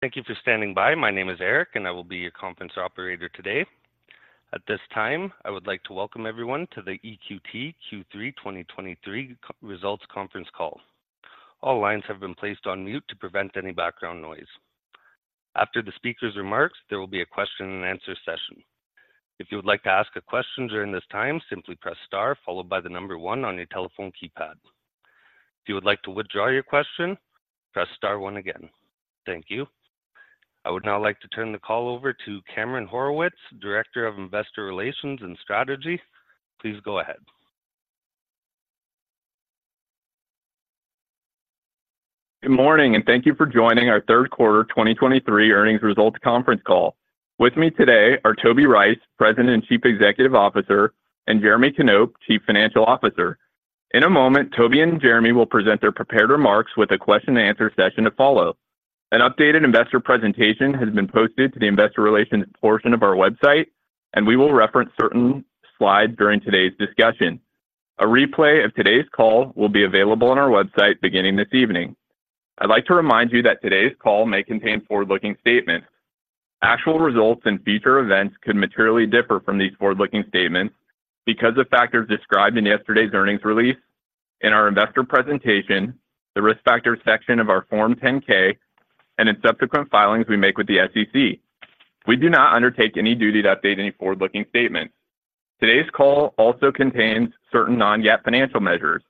Thank you for standing by. My name is Eric, and I will be your conference operator today. At this time, I would like to welcome everyone to the EQT Q3 2023 Results Conference Call. All lines have been placed on mute to prevent any background noise. After the speaker's remarks, there will be a question-and-answer session. If you would like to ask a question during this time, simply press star followed by the number one on your telephone keypad. If you would like to withdraw your question, press star one again. Thank you. I would now like to turn the call over to Cameron Horwitz, Director of Investor Relations and Strategy. Please go ahead. Good morning, and thank you for joining our Third Quarter 2023 Earnings Results Conference Call. With me today are Toby Rice, President and Chief Executive Officer, and Jeremy Knop, Chief Financial Officer. In a moment, Toby and Jeremy will present their prepared remarks with a question-and-answer session to follow. An updated investor presentation has been posted to the investor relations portion of our website, and we will reference certain slides during today's discussion. A replay of today's call will be available on our website beginning this evening. I'd like to remind you that today's call may contain forward-looking statements. Actual results and future events could materially differ from these forward-looking statements because of factors described in yesterday's earnings release, in our investor presentation, the Risk Factors section of our Form 10-K, and in subsequent filings we make with the SEC. We do not undertake any duty to update any forward-looking statements. Today's call also contains certain non-GAAP financial measures.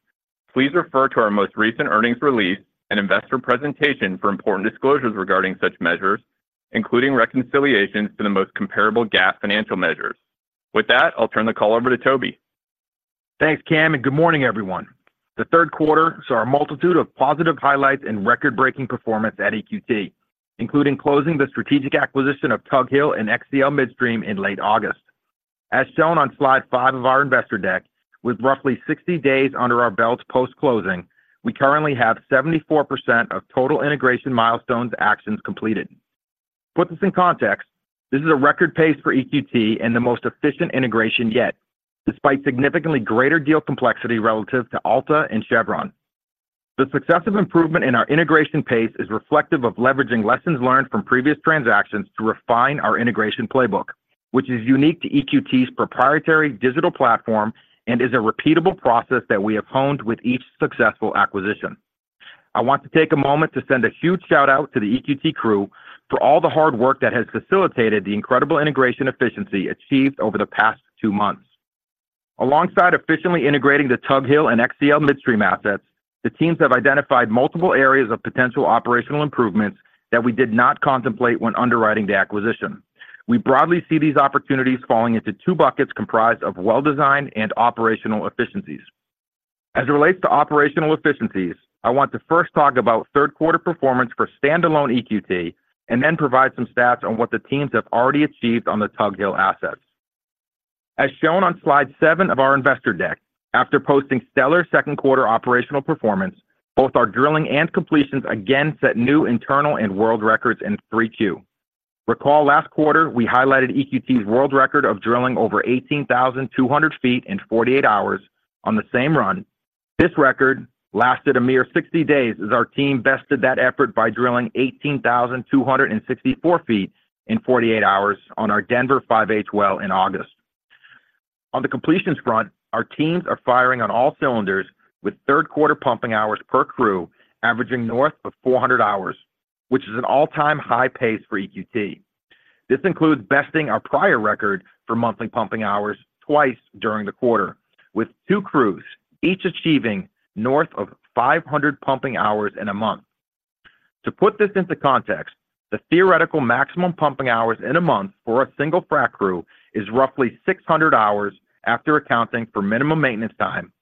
Please refer to our most recent earnings release and investor presentation for important disclosures regarding such measures, including reconciliations to the most comparable GAAP financial measures. With that, I'll turn the call over to Toby. Thanks, Cam, and good morning, everyone. The third quarter saw a multitude of positive highlights and record-breaking performance at EQT, including closing the strategic acquisition of Tug Hill and XcL Midstream in late August. As shown on Slide 5 of our investor deck, with roughly 60 days under our belts post-closing, we currently have 74% of total integration milestones actions completed. To put this in context, this is a record pace for EQT and the most efficient integration yet, despite significantly greater deal complexity relative to Alta and Chevron. The successive improvement in our integration pace is reflective of leveraging lessons learned from previous transactions to refine our integration playbook, which is unique to EQT's proprietary digital platform and is a repeatable process that we have honed with each successful acquisition. I want to take a moment to send a huge shout-out to the EQT crew for all the hard work that has facilitated the incredible integration efficiency achieved over the past two months. Alongside efficiently integrating the Tug Hill and XcL Midstream assets, the teams have identified multiple areas of potential operational improvements that we did not contemplate when underwriting the acquisition. We broadly see these opportunities falling into two buckets comprised of well design and operational efficiencies. As it relates to operational efficiencies, I want to first talk about third quarter performance for standalone EQT and then provide some stats on what the teams have already achieved on the Tug Hill assets. As shown on Slide 7 of our investor deck, after posting stellar second quarter operational performance, both our drilling and completions again set new internal and world records in 3Q. Recall last quarter, we highlighted EQT's world record of drilling over 18,200 feet in 48 hours on the same run. This record lasted a mere 60 days as our team bested that effort by drilling 18,264 feet in 48 hours on our Denver 5H well in August. On the completions front, our teams are firing on all cylinders, with third quarter pumping hours per crew averaging north of 400 hours, which is an all-time high pace for EQT. This includes besting our prior record for monthly pumping hours twice during the quarter, with two crews each achieving north of 500 pumping hours in a month. To put this into context, the theoretical maximum pumping hours in a month for a single frac crew is roughly 600 hours after accounting for minimum maintenance time,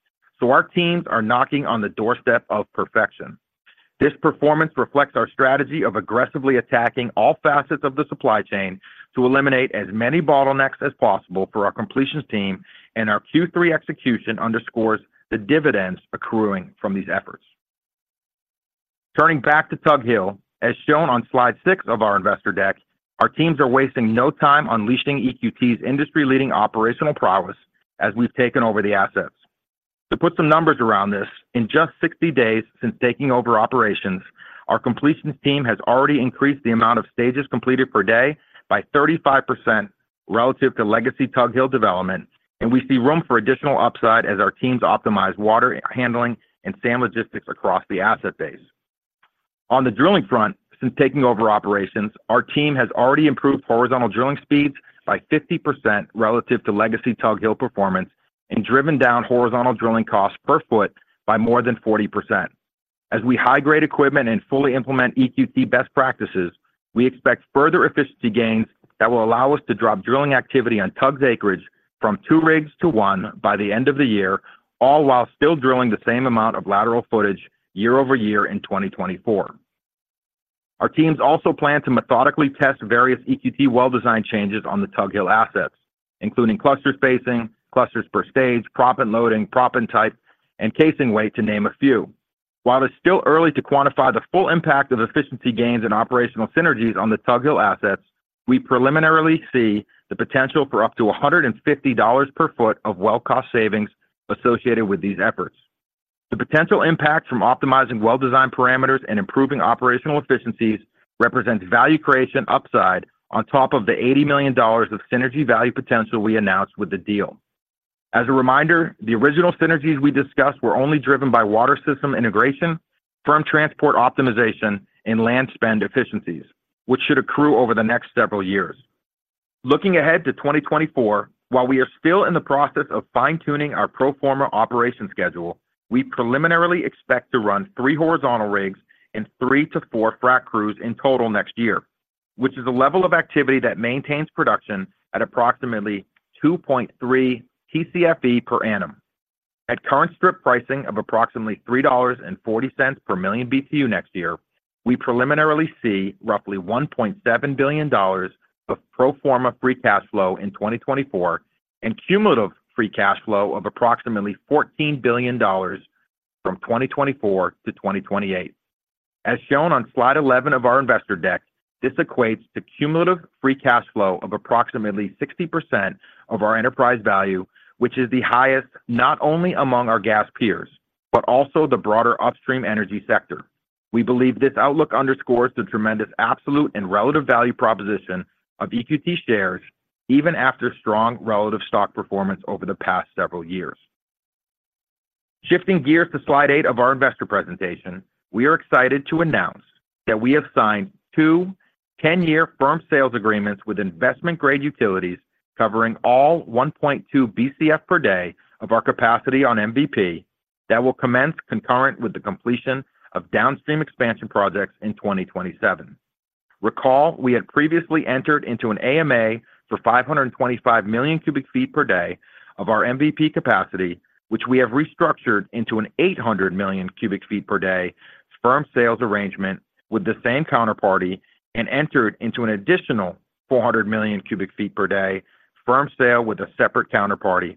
so our teams are knocking on the doorstep of perfection. This performance reflects our strategy of aggressively attacking all facets of the supply chain to eliminate as many bottlenecks as possible for our completions team, and our Q3 execution underscores the dividends accruing from these efforts. Turning back to Tug Hill, as shown on Slide 6 of our investor deck, our teams are wasting no time unleashing EQT's industry-leading operational prowess as we've taken over the assets. To put some numbers around this, in just 60 days since taking over operations, our completions team has already increased the amount of stages completed per day by 35% relative to legacy Tug Hill development, and we see room for additional upside as our teams optimize water handling and sand logistics across the asset base. On the drilling front, since taking over operations, our team has already improved horizontal drilling speeds by 50% relative to legacy Tug Hill performance and driven down horizontal drilling costs per foot by more than 40%. As we high-grade equipment and fully implement EQT best practices, we expect further efficiency gains that will allow us to drop drilling activity on Tug's acreage from two rigs to 1 by the end of the year, all while still drilling the same amount of lateral footage year-over-year in 2024. Our teams also plan to methodically test various EQT well design changes on the Tug Hill assets, including cluster spacing, clusters per stage, proppant loading, proppant type, and casing weight, to name a few. While it's still early to quantify the full impact of efficiency gains and operational synergies on the Tug Hill assets, we preliminarily see the potential for up to $150 per foot of well cost savings associated with these efforts. The potential impact from optimizing well-designed parameters and improving operational efficiencies represents value creation upside on top of the $80 million of synergy value potential we announced with the deal. As a reminder, the original synergies we discussed were only driven by water system integration, firm transport optimization, and land spend efficiencies, which should accrue over the next several years. Looking ahead to 2024, while we are still in the process of fine-tuning our pro forma operation schedule, we preliminarily expect to run three horizontal rigs and three-four frack crews in total next year, which is a level of activity that maintains production at approximately 2.3 Tcfe per annum. At current strip pricing of approximately $3.40 per MMBtu next year, we preliminarily see roughly $1.7 billion of pro forma free cash flow in 2024 and cumulative free cash flow of approximately $14 billion from 2024 to 2028. As shown on Slide 11 of our investor deck, this equates to cumulative free cash flow of approximately 60% of our enterprise value, which is the highest, not only among our gas peers, but also the broader upstream energy sector. We believe this outlook underscores the tremendous, absolute, and relative value proposition of EQT shares, even after strong relative stock performance over the past several years. Shifting gears to Slide 8 of our investor presentation, we are excited to announce that we have signed two 10-year firm sales agreements with investment-grade utilities covering all 1.2 Bcf per day of our capacity on MVP that will commence concurrent with the completion of downstream expansion projects in 2027. Recall, we had previously entered into an AMA for 525 million cubic feet per day of our MVP capacity, which we have restructured into an 800 million cubic feet per day firm sales arrangement with the same counterparty and entered into an additional 400 million cubic feet per day firm sale with a separate counterparty.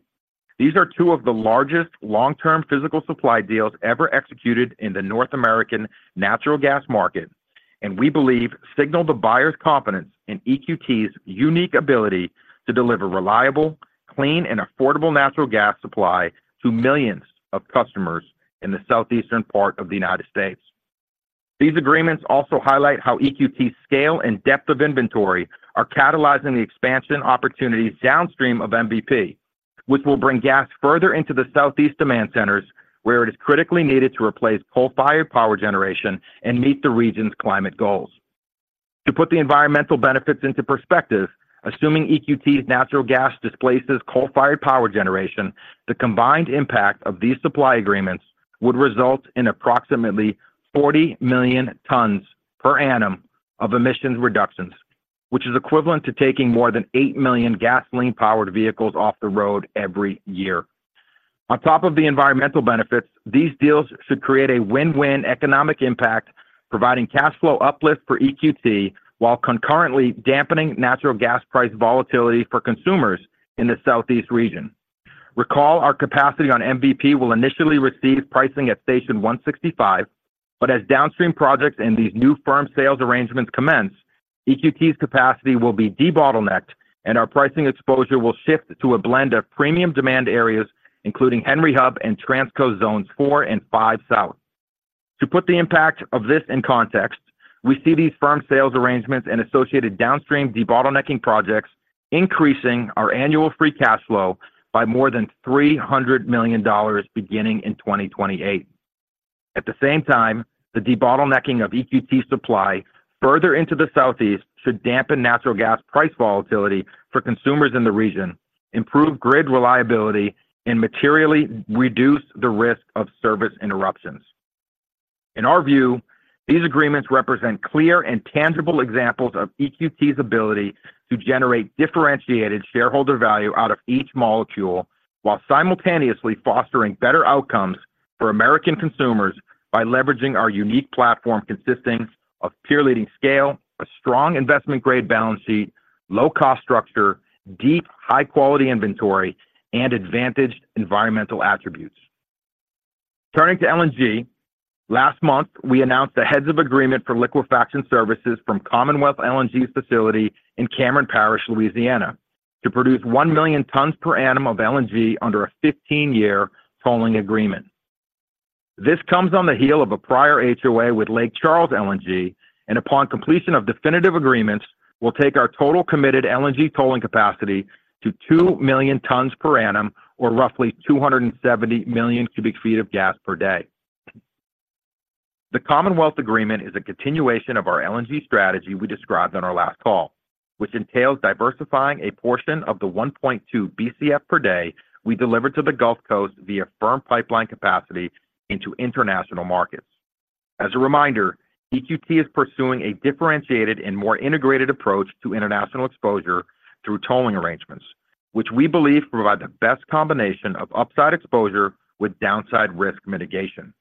These are two of the largest long-term physical supply deals ever executed in the North American natural gas market, and we believe signal the buyer's confidence in EQT's unique ability to deliver reliable, clean, and affordable natural gas supply to millions of customers in the Southeastern part of the United States. These agreements also highlight how EQT's scale and depth of inventory are catalyzing the expansion opportunities downstream of MVP, which will bring gas further into the Southeast demand centers, where it is critically needed to replace coal-fired power generation and meet the region's climate goals. To put the environmental benefits into perspective, assuming EQT's natural gas displaces coal-fired power generation, the combined impact of these supply agreements would result in approximately 40 million tons per annum of emissions reductions, which is equivalent to taking more than 8 million gasoline-powered vehicles off the road every year. On top of the environmental benefits, these deals should create a win-win economic impact, providing cash flow uplift for EQT, while concurrently dampening natural gas price volatility for consumers in the Southeast region. Recall, our capacity on MVP will initially receive pricing at Station 165, but as downstream projects and these new firm sales arrangements commence, EQT's capacity will be debottlenecked, and our pricing exposure will shift to a blend of premium demand areas, including Henry Hub and Transco Zones 4 and 5 South. To put the impact of this in context, we see these firm sales arrangements and associated downstream debottlenecking projects increasing our annual free cash flow by more than $300 million beginning in 2028. At the same time, the debottlenecking of EQT supply further into the Southeast should dampen natural gas price volatility for consumers in the region, improve grid reliability, and materially reduce the risk of service interruptions. In our view, these agreements represent clear and tangible examples of EQT's ability to generate differentiated shareholder value out of each molecule, while simultaneously fostering better outcomes for American consumers by leveraging our unique platform, consisting of peer-leading scale, a strong investment-grade balance sheet, low cost structure, deep, high-quality inventory, and advantaged environmental attributes. Turning to LNG, last month, we announced the heads of agreement for liquefaction services from Commonwealth LNG's facility in Cameron Parish, Louisiana, to produce 1 million tons per annum of LNG under a 15-year tolling agreement. This comes on the heels of a prior HOA with Lake Charles LNG, and upon completion of definitive agreements, will take our total committed LNG tolling capacity to 2 million tons per annum, or roughly 270 million cubic feet of gas per day. The Commonwealth agreement is a continuation of our LNG strategy we described on our last call, which entails diversifying a portion of the 1.2 Bcf per day we delivered to the Gulf Coast via firm pipeline capacity into international markets. As a reminder, EQT is pursuing a differentiated and more integrated approach to international exposure through tolling arrangements, which we believe provide the best combination of upside exposure with downside risk mitigation.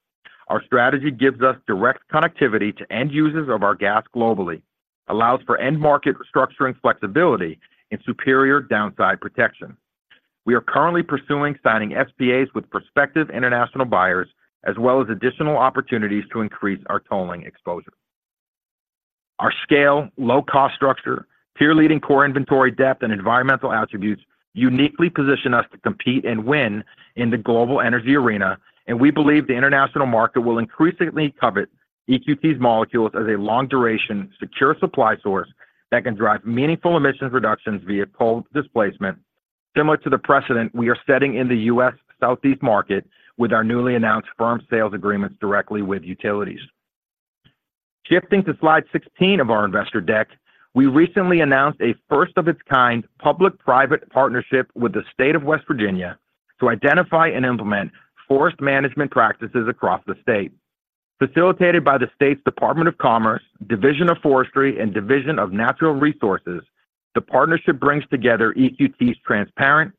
Our strategy gives us direct connectivity to end users of our gas globally, allows for end-market structuring flexibility and superior downside protection. We are currently pursuing signing SPAs with prospective international buyers, as well as additional opportunities to increase our tolling exposure.... Our scale, low-cost structure, peer-leading core inventory depth, and environmental attributes uniquely position us to compete and win in the global energy arena, and we believe the international market will increasingly covet EQT's molecules as a long-duration, secure supply source that can drive meaningful emissions reductions via coal displacement, similar to the precedent we are setting in the U.S. Southeast market with our newly announced firm sales agreements directly with utilities. Shifting to Slide 16 of our investor deck, we recently announced a first-of-its-kind public-private partnership with the state of West Virginia to identify and implement forest management practices across the state. Facilitated by the state's Department of Commerce, Division of Forestry, and Division of Natural Resources, the partnership brings together EQT's transparent,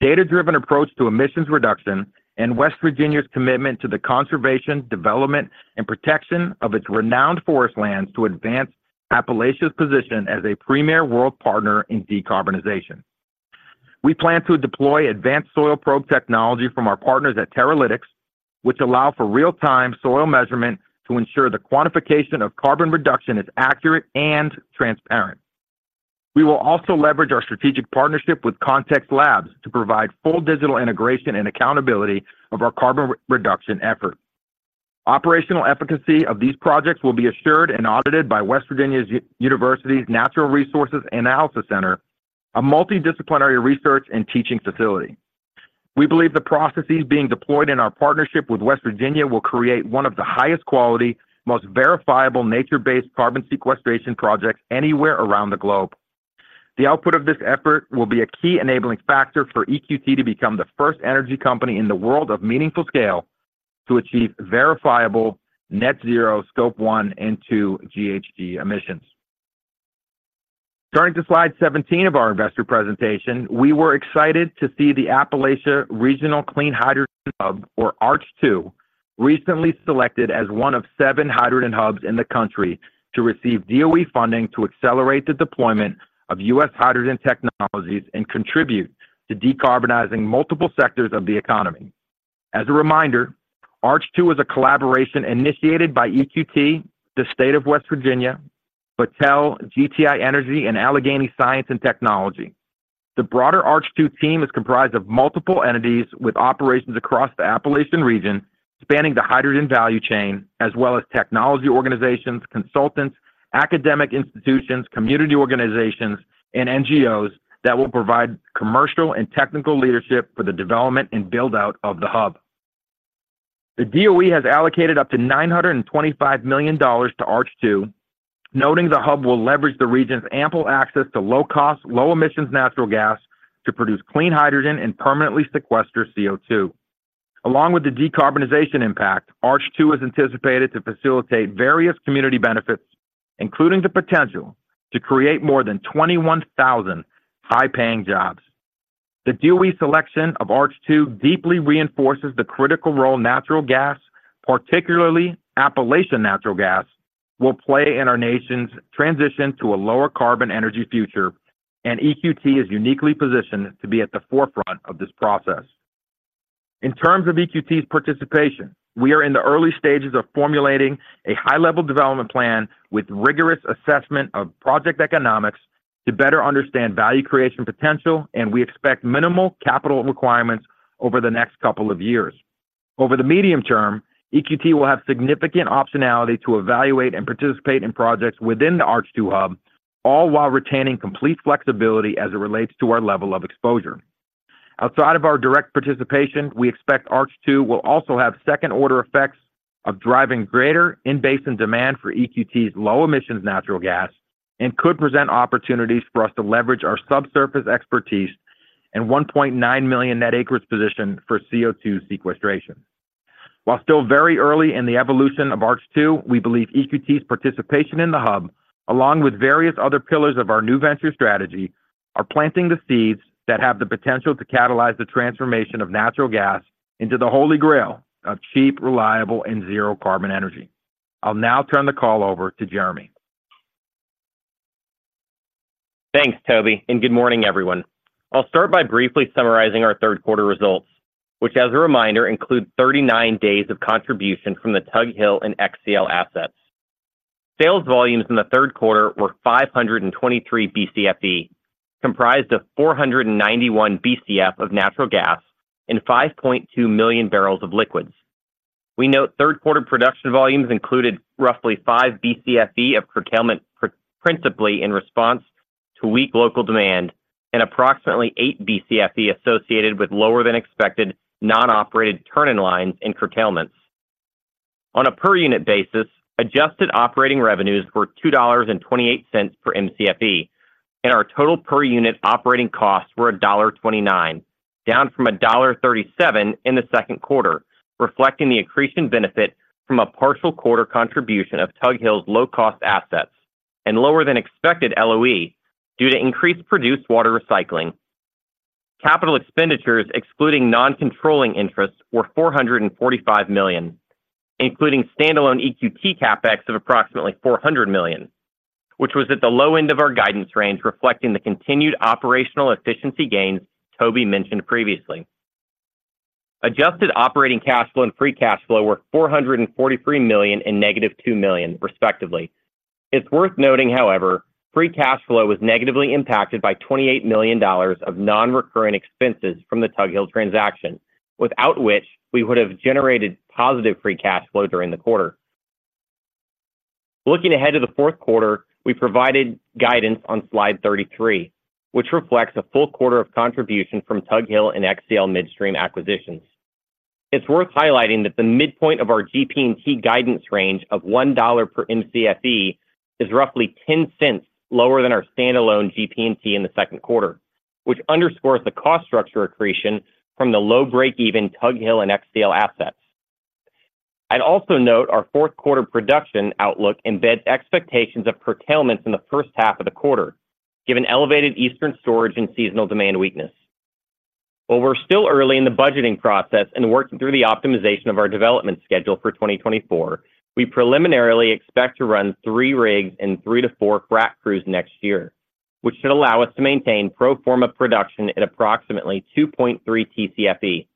data-driven approach to emissions reduction and West Virginia's commitment to the conservation, development, and protection of its renowned forest lands to advance Appalachia's position as a premier world partner in decarbonization. We plan to deploy advanced soil probe technology from our partners at Terralytic, which allow for real-time soil measurement to ensure the quantification of carbon reduction is accurate and transparent. We will also leverage our strategic partnership with Context Labs to provide full digital integration and accountability of our carbon re-reduction effort. Operational efficacy of these projects will be assured and audited by West Virginia University's Natural Resources Analysis Center, a multidisciplinary research and teaching facility. We believe the processes being deployed in our partnership with West Virginia will create one of the highest quality, most verifiable nature-based carbon sequestration projects anywhere around the globe. The output of this effort will be a key enabling factor for EQT to become the first energy company in the world of meaningful scale to achieve verifiable net zero Scope 1 and 2 GHG emissions. Turning to Slide 17 of our investor presentation, we were excited to see the Appalachia Regional Clean Hydrogen Hub, or ARCH2, recently selected as one of seven hydrogen hubs in the country to receive DOE funding to accelerate the deployment of U.S. hydrogen technologies and contribute to decarbonizing multiple sectors of the economy. As a reminder, ARCH2 is a collaboration initiated by EQT, the state of West Virginia, Battelle, GTI Energy, and Allegheny Science and Technology. The broader ARCH2 team is comprised of multiple entities with operations across the Appalachian region, spanning the hydrogen value chain, as well as technology organizations, consultants, academic institutions, community organizations, and NGOs that will provide commercial and technical leadership for the development and build-out of the hub. The DOE has allocated up to $925 million to ARCH2, noting the hub will leverage the region's ample access to low-cost, low-emissions natural gas to produce clean hydrogen and permanently sequester CO2. Along with the decarbonization impact, ARCH2 is anticipated to facilitate various community benefits, including the potential to create more than 21,000 high-paying jobs. The DOE selection of ARCH2 deeply reinforces the critical role natural gas, particularly Appalachian natural gas, will play in our nation's transition to a lower carbon energy future, and EQT is uniquely positioned to be at the forefront of this process. In terms of EQT's participation, we are in the early stages of formulating a high-level development plan with rigorous assessment of project economics to better understand value creation potential, and we expect minimal capital requirements over the next couple of years. Over the medium term, EQT will have significant optionality to evaluate and participate in projects within the ARCH2 hub, all while retaining complete flexibility as it relates to our level of exposure. Outside of our direct participation, we expect ARCH2 will also have second-order effects of driving greater in-basin demand for EQT's low-emissions natural gas and could present opportunities for us to leverage our subsurface expertise and 1.9 million net acreage position for CO2 sequestration. While still very early in the evolution of ARCH2, we believe EQT's participation in the hub, along with various other pillars of our new venture strategy, are planting the seeds that have the potential to catalyze the transformation of natural gas into the holy grail of cheap, reliable, and zero-carbon energy. I'll now turn the call over to Jeremy. Thanks, Toby, and good morning, everyone. I'll start by briefly summarizing our third quarter results, which, as a reminder, include 39 days of contribution from the Tug Hill and XCL assets. Sales volumes in the third quarter were 523 Bcfe, comprised of 491 Bcf of natural gas and 5.2 million barrels of liquids. We note third quarter production volumes included roughly 5 Bcfe of curtailment principally in response to weak local demand and approximately 8 Bcfe associated with lower-than-expected, non-operated turn-in-lines and curtailments. On a per-unit basis, adjusted operating revenues were $2.28 per Mcfe, and our total per-unit operating costs were $1.29, down from $1.37 in the second quarter, reflecting the accretion benefit from a partial quarter contribution of Tug Hill's low-cost assets and lower-than-expected LOE due to increased produced water recycling. Capital expenditures, excluding non-controlling interests, were $445 million, including standalone EQT CapEx of approximately $400 million, which was at the low end of our guidance range, reflecting the continued operational efficiency gains Toby mentioned previously. Adjusted operating cash flow and free cash flow were $443 million and negative $2 million, respectively. It's worth noting, however, free cash flow was negatively impacted by $28 million of non-recurring expenses from the Tug Hill transaction, without which we would have generated positive free cash flow during the quarter. Looking ahead to the fourth quarter, we provided guidance on Slide 33, which reflects a full quarter of contribution from Tug Hill and XcL Midstream acquisitions. It's worth highlighting that the midpoint of our GP&T guidance range of $1 per Mcfe is roughly $0.10 lower than our standalone GP&T in the second quarter, which underscores the cost structure accretion from the low breakeven Tug Hill and XcL assets. I'd also note our fourth quarter production outlook embeds expectations of curtailments in the first half of the quarter, given elevated Eastern storage and seasonal demand weakness. While we're still early in the budgeting process and working through the optimization of our development schedule for 2024, we preliminarily expect to run three rigs and three to four frac crews next year, which should allow us to maintain pro forma production at approximately 2.3 Tcfe.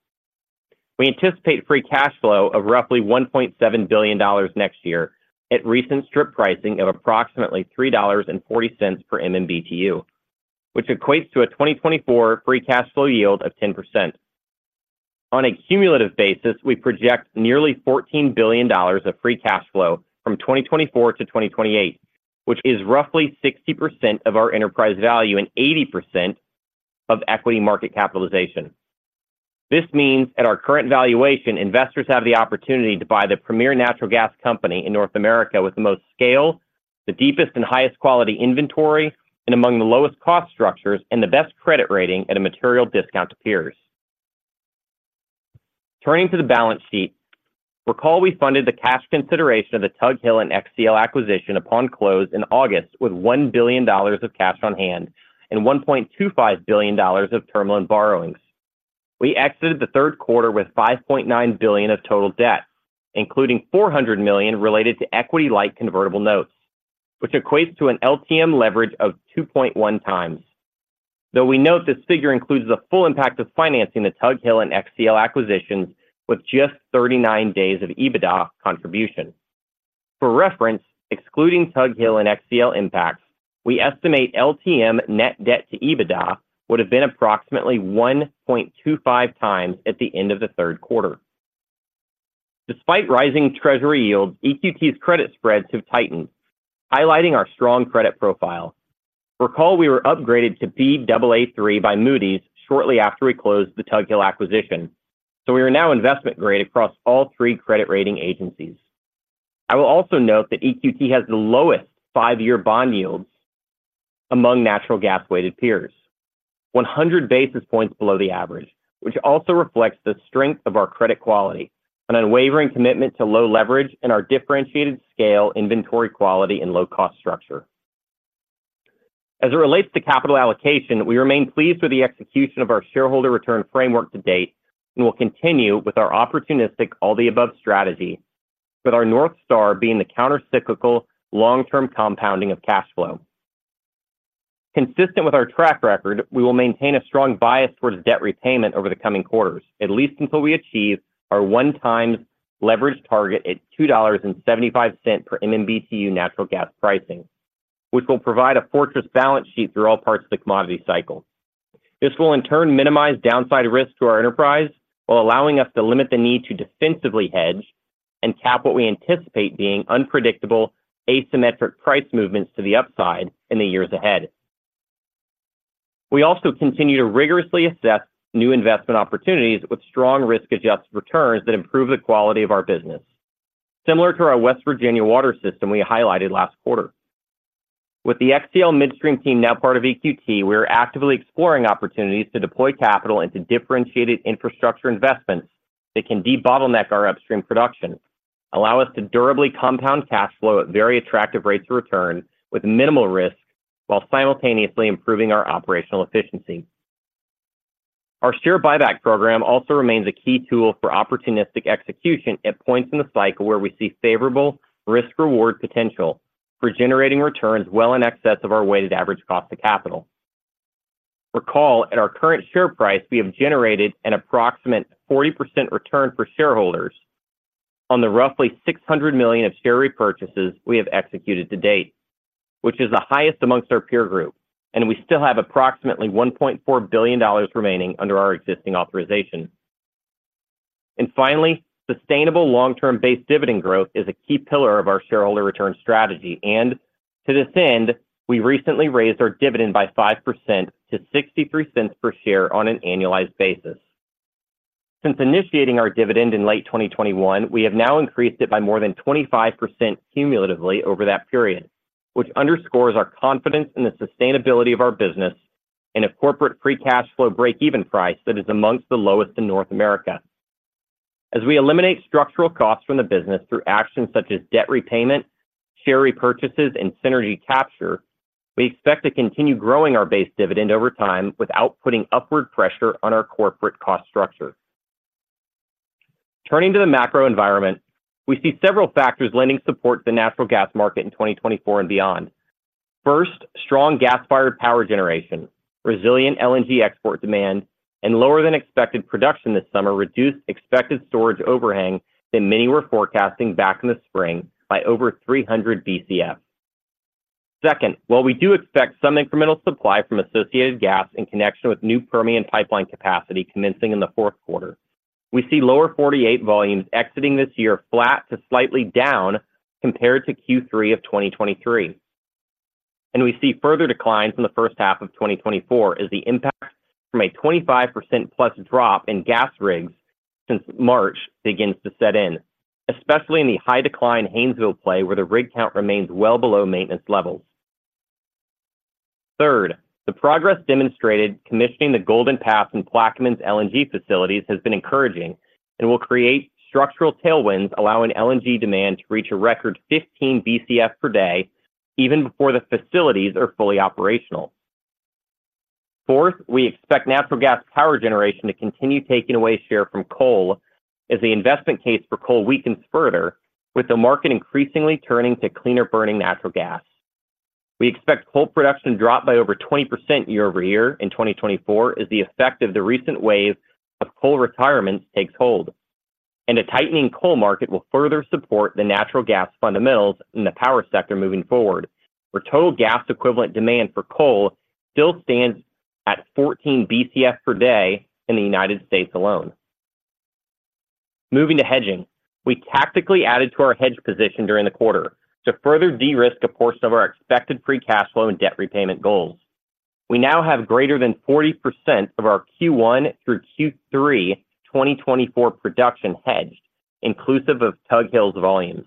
We anticipate free cash flow of roughly $1.7 billion next year at recent strip pricing of approximately $3.40 per MMBtu, which equates to a 2024 free cash flow yield of 10%. On a cumulative basis, we project nearly $14 billion of free cash flow from 2024 to 2028, which is roughly 60% of our enterprise value and 80% of equity market capitalization. This means, at our current valuation, investors have the opportunity to buy the premier natural gas company in North America with the most scale, the deepest and highest quality inventory, and among the lowest cost structures and the best credit rating at a material discount to peers. Turning to the balance sheet, recall we funded the cash consideration of the Tug Hill and XcL acquisition upon close in August with $1 billion of cash on hand and $1.25 billion of term loan borrowings. We exited the third quarter with $5.9 billion of total debt, including $400 million related to equity-like convertible notes, which equates to an LTM leverage of 2.1x. Though we note this figure includes the full impact of financing the Tug Hill and XcL acquisitions with just 39 days of EBITDA contribution. For reference, excluding Tug Hill and XcL impacts, we estimate LTM net debt to EBITDA would have been approximately 1.25x at the end of the third quarter. Despite rising Treasury yields, EQT's credit spreads have tightened, highlighting our strong credit profile. Recall, we were upgraded to Baa3 by Moody's shortly after we closed the Tug Hill acquisition, so we are now investment grade across all three credit rating agencies. I will also note that EQT has the lowest five-year bond yields among natural gas-weighted peers, 100 basis points below the average, which also reflects the strength of our credit quality, an unwavering commitment to low leverage, and our differentiated scale, inventory quality, and low cost structure. As it relates to capital allocation, we remain pleased with the execution of our shareholder return framework to date, and will continue with our opportunistic all-the-above strategy, with our North Star being the countercyclical, long-term compounding of cash flow. Consistent with our track record, we will maintain a strong bias towards debt repayment over the coming quarters, at least until we achieve our one time leverage target at $2.75 per MMBtu natural gas pricing, which will provide a fortress balance sheet through all parts of the commodity cycle. This will, in turn, minimize downside risk to our enterprise while allowing us to limit the need to defensively hedge and cap what we anticipate being unpredictable, asymmetric price movements to the upside in the years ahead. We also continue to rigorously assess new investment opportunities with strong risk-adjusted returns that improve the quality of our business. Similar to our West Virginia water system we highlighted last quarter. With the XcL Midstream team now part of EQT, we are actively exploring opportunities to deploy capital into differentiated infrastructure investments that can debottleneck our upstream production, allow us to durably compound cash flow at very attractive rates of return with minimal risk, while simultaneously improving our operational efficiency. Our share buyback program also remains a key tool for opportunistic execution at points in the cycle where we see favorable risk-reward potential for generating returns well in excess of our weighted average cost of capital. Recall, at our current share price, we have generated an approximate 40% return for shareholders on the roughly $600 million of share repurchases we have executed to date, which is the highest amongst our peer group, and we still have approximately $1.4 billion remaining under our existing authorization. Finally, sustainable long-term base dividend growth is a key pillar of our shareholder return strategy, and to this end, we recently raised our dividend by 5% to $0.63 per share on an annualized basis. Since initiating our dividend in late 2021, we have now increased it by more than 25% cumulatively over that period, which underscores our confidence in the sustainability of our business and a corporate free cash flow breakeven price that is among the lowest in North America. As we eliminate structural costs from the business through actions such as debt repayment, share repurchases, and synergy capture, we expect to continue growing our base dividend over time without putting upward pressure on our corporate cost structure. Turning to the macro environment, we see several factors lending support to the natural gas market in 2024 and beyond. First, strong gas-fired power generation, resilient LNG export demand, and lower than expected production this summer reduced expected storage overhang than many were forecasting back in the spring by over 300 Bcf. Second, while we do expect some incremental supply from associated gas in connection with new Permian pipeline capacity commencing in the fourth quarter, we see lower 48 volumes exiting this year flat to slightly down compared to Q3 of 2023. And we see further declines in the first half of 2024 as the impact from a 25%+ drop in gas rigs since March begins to set in, especially in the high decline Haynesville play, where the rig count remains well below maintenance levels. Third, the progress demonstrated commissioning the Golden Pass and Plaquemines LNG facilities has been encouraging and will create structural tailwinds, allowing LNG demand to reach a record 15 Bcf per day, even before the facilities are fully operational. Fourth, we expect natural gas power generation to continue taking away share from coal as the investment case for coal weakens further, with the market increasingly turning to cleaner-burning natural gas. We expect coal production to drop by over 20% year-over-year in 2024 as the effect of the recent wave of coal retirements takes hold. A tightening coal market will further support the natural gas fundamentals in the power sector moving forward, where total gas equivalent demand for coal still stands at 14 Bcf per day in the United States alone. Moving to hedging, we tactically added to our hedge position during the quarter to further de-risk a portion of our expected free cash flow and debt repayment goals. We now have greater than 40% of our Q1 through Q3 2024 production hedged, inclusive of Tug Hill's volumes,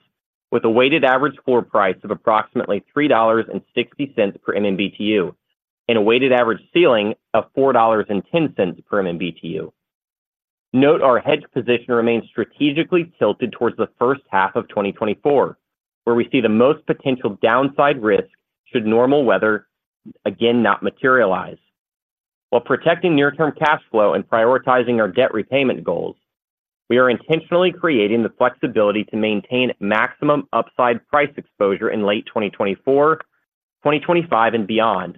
with a weighted average floor price of approximately $3.60 per MMBtu, and a weighted average ceiling of $4.10 per MMBtu. Note our hedge position remains strategically tilted towards the first half of 2024, where we see the most potential downside risk should normal weather again not materialize. While protecting near-term cash flow and prioritizing our debt repayment goals, we are intentionally creating the flexibility to maintain maximum upside price exposure in late 2024, 2025, and beyond,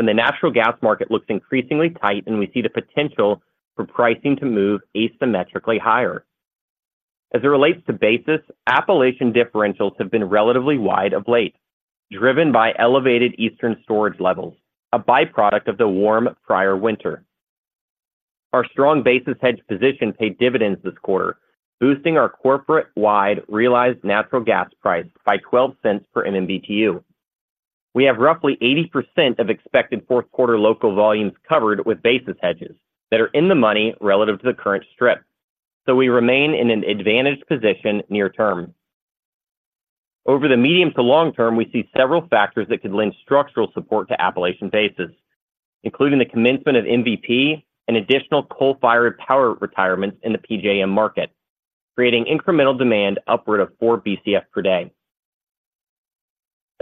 when the natural gas market looks increasingly tight and we see the potential for pricing to move asymmetrically higher. As it relates to basis, Appalachian differentials have been relatively wide of late, driven by elevated eastern storage levels, a byproduct of the warm prior winter. Our strong basis hedge position paid dividends this quarter, boosting our corporate-wide realized natural gas price by $0.12 per MMBtu. We have roughly 80% of expected fourth quarter local volumes covered with basis hedges that are in the money relative to the current strip, so we remain in an advantaged position near term. Over the medium to long term, we see several factors that could lend structural support to Appalachian basis, including the commencement of MVP and additional coal-fired power retirements in the PJM market, creating incremental demand upward of 4 Bcf per day.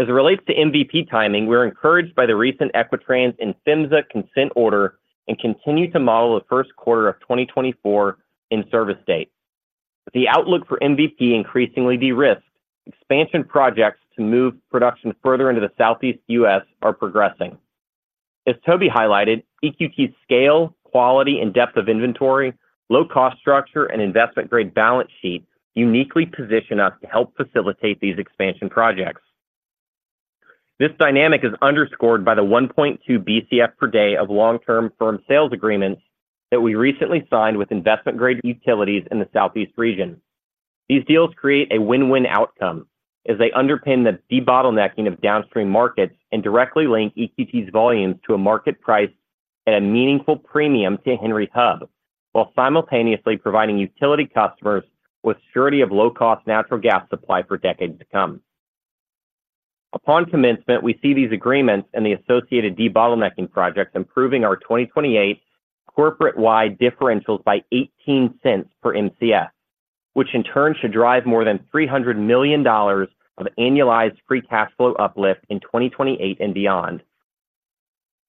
As it relates to MVP timing, we're encouraged by the recent Equitrans and PHMSA consent order and continue to model the first quarter of 2024 in-service date. With the outlook for MVP increasingly de-risked, expansion projects to move production further into the Southeast U.S. are progressing. As Toby highlighted, EQT's scale, quality, and depth of inventory, low cost structure, and investment-grade balance sheet uniquely position us to help facilitate these expansion projects. This dynamic is underscored by the 1.2 Bcf per day of long-term firm sales agreements that we recently signed with investment-grade utilities in the Southeast region. These deals create a win-win outcome as they underpin the de-bottlenecking of downstream markets and directly link EQT's volumes to a market price at a meaningful premium to Henry Hub, while simultaneously providing utility customers with surety of low-cost natural gas supply for decades to come. Upon commencement, we see these agreements and the associated de-bottlenecking projects improving our 2028 corporate-wide differentials by $0.18 per Mcf, which in turn should drive more than $300 million of annualized free cash flow uplift in 2028 and beyond.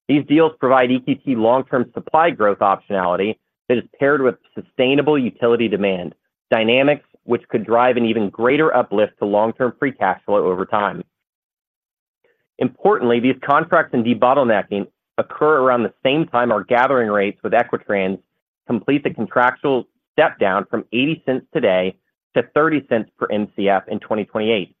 These deals provide EQT long-term supply growth optionality that is paired with sustainable utility demand, dynamics which could drive an even greater uplift to long-term free cash flow over time. Importantly, these contracts and de-bottlenecking occur around the same time our gathering rates with Equitrans complete the contractual step down from $0.80 today to $0.30 per Mcf in 2028,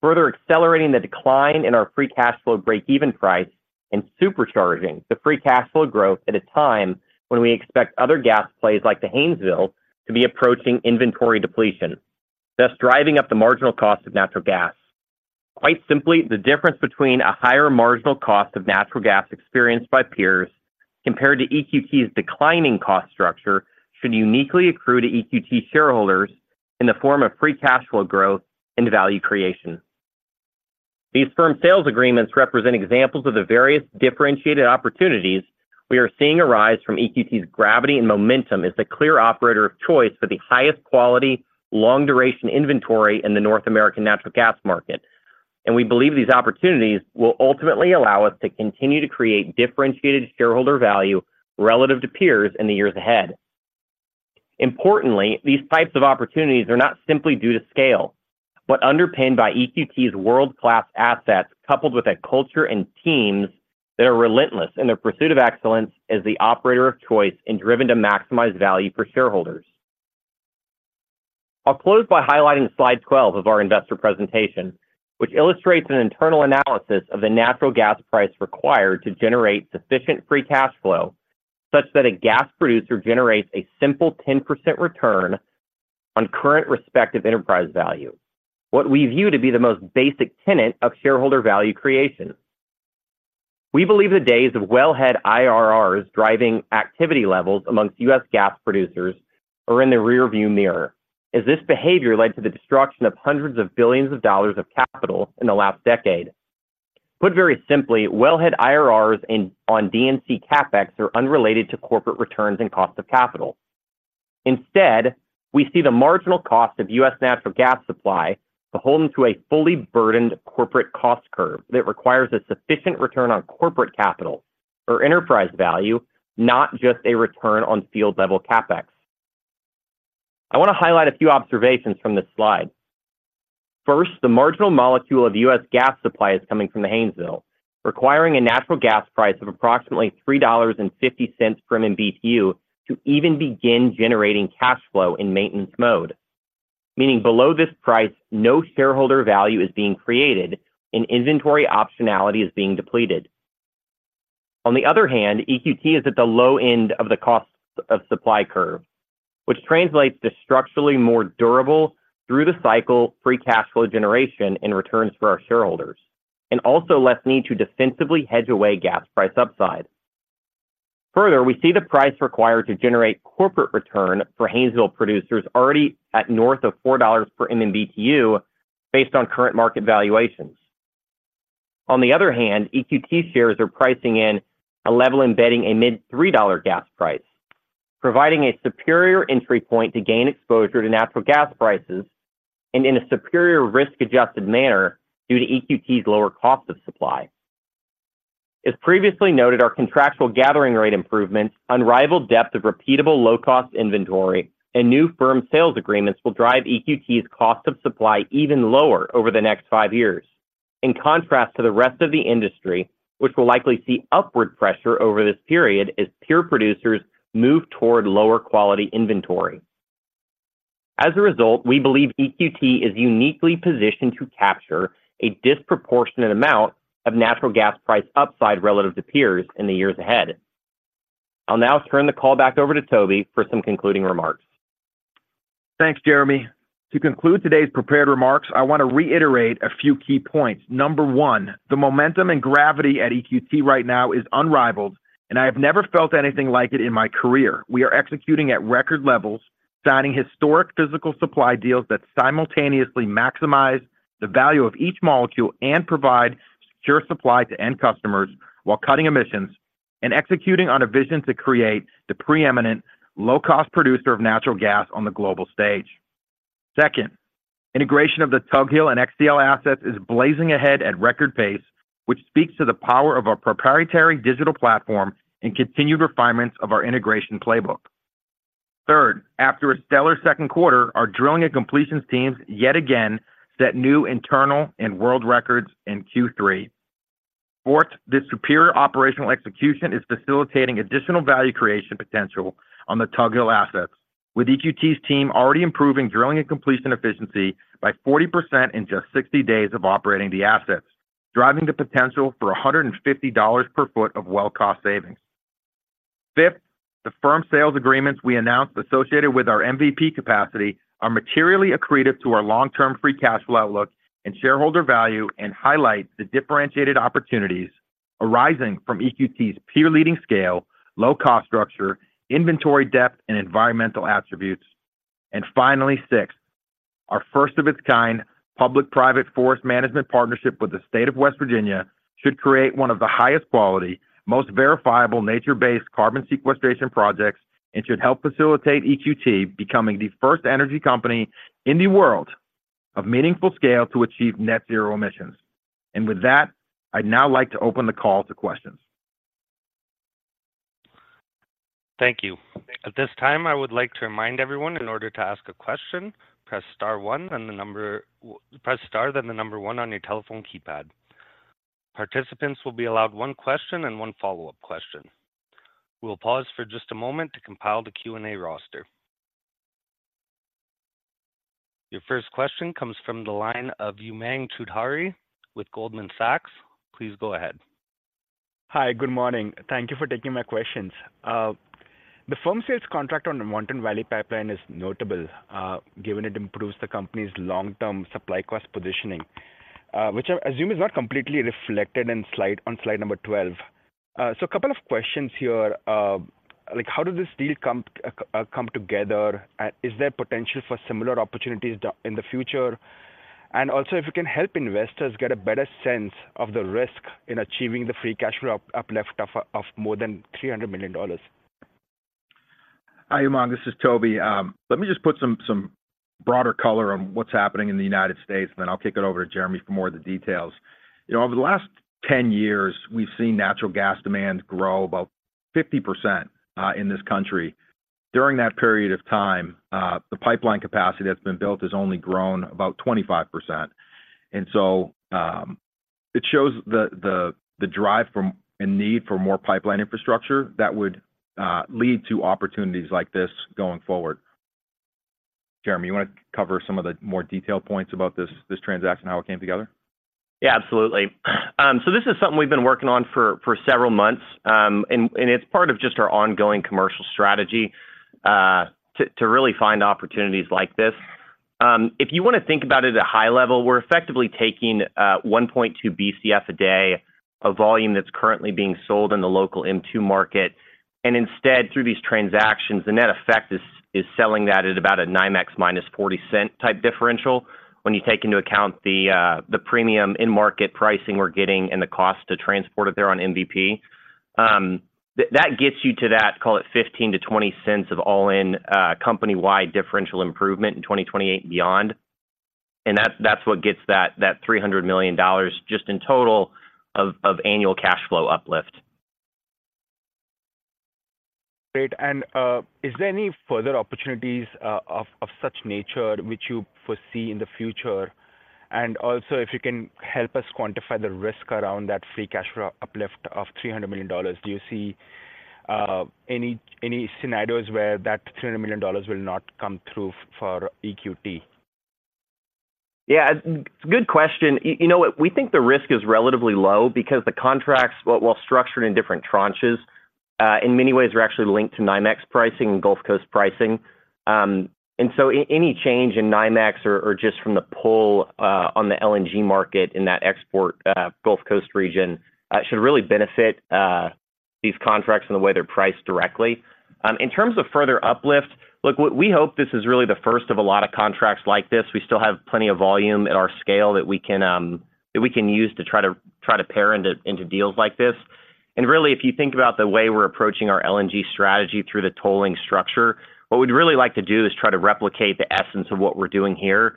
further accelerating the decline in our free cash flow breakeven price and supercharging the free cash flow growth at a time when we expect other gas plays like the Haynesville to be approaching inventory depletion, thus driving up the marginal cost of natural gas. Quite simply, the difference between a higher marginal cost of natural gas experienced by peers compared to EQT's declining cost structure should uniquely accrue to EQT shareholders in the form of free cash flow growth and value creation. These firm sales agreements represent examples of the various differentiated opportunities we are seeing arise from EQT's gravity and momentum as the clear operator of choice for the highest quality, long-duration inventory in the North American natural gas market. We believe these opportunities will ultimately allow us to continue to create differentiated shareholder value relative to peers in the years ahead. Importantly, these types of opportunities are not simply due to scale, but underpinned by EQT's world-class assets, coupled with a culture and teams that are relentless in their pursuit of excellence as the operator of choice and driven to maximize value for shareholders. I'll close by highlighting Slide 12 of our investor presentation, which illustrates an internal analysis of the natural gas price required to generate sufficient free cash flow, such that a gas producer generates a simple 10% return on current respective enterprise value, what we view to be the most basic tenet of shareholder value creation. We believe the days of wellhead IRRs driving activity levels among U.S. gas producers are in the rearview mirror, as this behavior led to the destruction of hundreds of billions of dollars of capital in the last decade. Put very simply, wellhead IRRs on DUC CapEx are unrelated to corporate returns and cost of capital. Instead, we see the marginal cost of U.S. natural gas supply beholden to a fully burdened corporate cost curve that requires a sufficient return on corporate capital or enterprise value, not just a return on field-level CapEx. I want to highlight a few observations from this slide. First, the marginal molecule of U.S. gas supply is coming from the Haynesville, requiring a natural gas price of approximately $3.50 per MMBtu to even begin generating cash flow in maintenance mode, meaning below this price, no shareholder value is being created and inventory optionality is being depleted. On the other hand, EQT is at the low end of the cost of supply curve, which translates to structurally more durable through the cycle, free cash flow generation and returns for our shareholders, and also less need to defensively hedge away gas price upside. Further, we see the price required to generate corporate return for Haynesville producers already at north of $4 per MMBtu based on current market valuations. On the other hand, EQT shares are pricing in a level embedding a mid-$3 gas price, providing a superior entry point to gain exposure to natural gas prices and in a superior risk-adjusted manner due to EQT's lower cost of supply. As previously noted, our contractual gathering rate improvements, unrivaled depth of repeatable low-cost inventory, and new firm sales agreements will drive EQT's cost of supply even lower over the next five years, in contrast to the rest of the industry, which will likely see upward pressure over this period as peer producers move toward lower quality inventory. As a result, we believe EQT is uniquely positioned to capture a disproportionate amount of natural gas price upside relative to peers in the years ahead. I'll now turn the call back over to Toby for some concluding remarks. Thanks, Jeremy. To conclude today's prepared remarks, I want to reiterate a few key points. Number one, the momentum and gravity at EQT right now is unrivaled, and I have never felt anything like it in my career. We are executing at record levels, signing historic physical supply deals that simultaneously maximize the value of each molecule and provide secure supply to end customers while cutting emissions and executing on a vision to create the preeminent low-cost producer of natural gas on the global stage. Second, integration of the Tug Hill and XcL assets is blazing ahead at record pace, which speaks to the power of our proprietary digital platform and continued refinements of our integration playbook. Third, after a stellar second quarter, our drilling and completions teams yet again set new internal and world records in Q3. Fourth, this superior operational execution is facilitating additional value creation potential on the Tug Hill assets, with EQT's team already improving drilling and completion efficiency by 40% in just 60 days of operating the assets, driving the potential for $150 per foot of well cost savings. Fifth, the firm sales agreements we announced associated with our MVP capacity are materially accretive to our long-term free cash flow outlook and shareholder value and highlight the differentiated opportunities arising from EQT's peer-leading scale, low cost structure, inventory depth, and environmental attributes. And finally, six, our first of its kind public-private forest management partnership with the state of West Virginia should create one of the highest quality, most verifiable nature-based carbon sequestration projects and should help facilitate EQT becoming the first energy company in the world of meaningful scale to achieve net zero emissions. With that, I'd now like to open the call to questions. Thank you. At this time, I would like to remind everyone in order to ask a question, press star one, then the number one on your telephone keypad. Participants will be allowed one question and one follow-up question. We will pause for just a moment to compile the Q&A roster. Your first question comes from the line of Umang Choudhary with Goldman Sachs. Please go ahead. Hi, good morning. Thank you for taking my questions. The firm sales contract on the Mountain Valley Pipeline is notable, given it improves the company's long-term supply cost positioning, which I assume is not completely reflected in Slide number 12. So a couple of questions here. Like, how did this deal come together? Is there potential for similar opportunities in the future? And also, if you can help investors get a better sense of the risk in achieving the free cash flow uplift of more than $300 million? Hi, Umang, this is Toby. Let me just put some broader color on what's happening in the United States, and then I'll kick it over to Jeremy for more of the details. You know, over the last 10 years, we've seen natural gas demand grow about 50%, in this country. During that period of time, the pipeline capacity that's been built has only grown about 25%. So, it shows the drive and need for more pipeline infrastructure that would lead to opportunities like this going forward. Jeremy, you wanna cover some of the more detailed points about this transaction, how it came together? Yeah, absolutely. So this is something we've been working on for several months, and it's part of just our ongoing commercial strategy to really find opportunities like this. If you wanna think about it at a high level, we're effectively taking 1.2 Bcf a day of volume that's currently being sold in the local M-2 market, and instead, through these transactions, the net effect is selling that at about a NYMEX minus $0.40 type differential. When you take into account the premium in market pricing we're getting and the cost to transport it there on MVP, that gets you to that, call it $0.15-$0.20 of all-in company-wide differential improvement in 2028 and beyond. That's what gets that $300 million just in total of annual cash flow uplift. Great. And, is there any further opportunities, of such nature which you foresee in the future? And also, if you can help us quantify the risk around that free cash flow uplift of $300 million, do you see, any scenarios where that $300 million will not come through for EQT? Yeah, it's a good question. You know what? We think the risk is relatively low because the contracts, while structured in different tranches, in many ways are actually linked to NYMEX pricing and Gulf Coast pricing. And so any change in NYMEX or, or just from the pull on the LNG market in that export Gulf Coast region should really benefit these contracts and the way they're priced directly. In terms of further uplift, look, what we hope this is really the first of a lot of contracts like this. We still have plenty of volume at our scale that we can that we can use to try to try to pair into into deals like this. And really, if you think about the way we're approaching our LNG strategy through the tolling structure, what we'd really like to do is try to replicate the essence of what we're doing here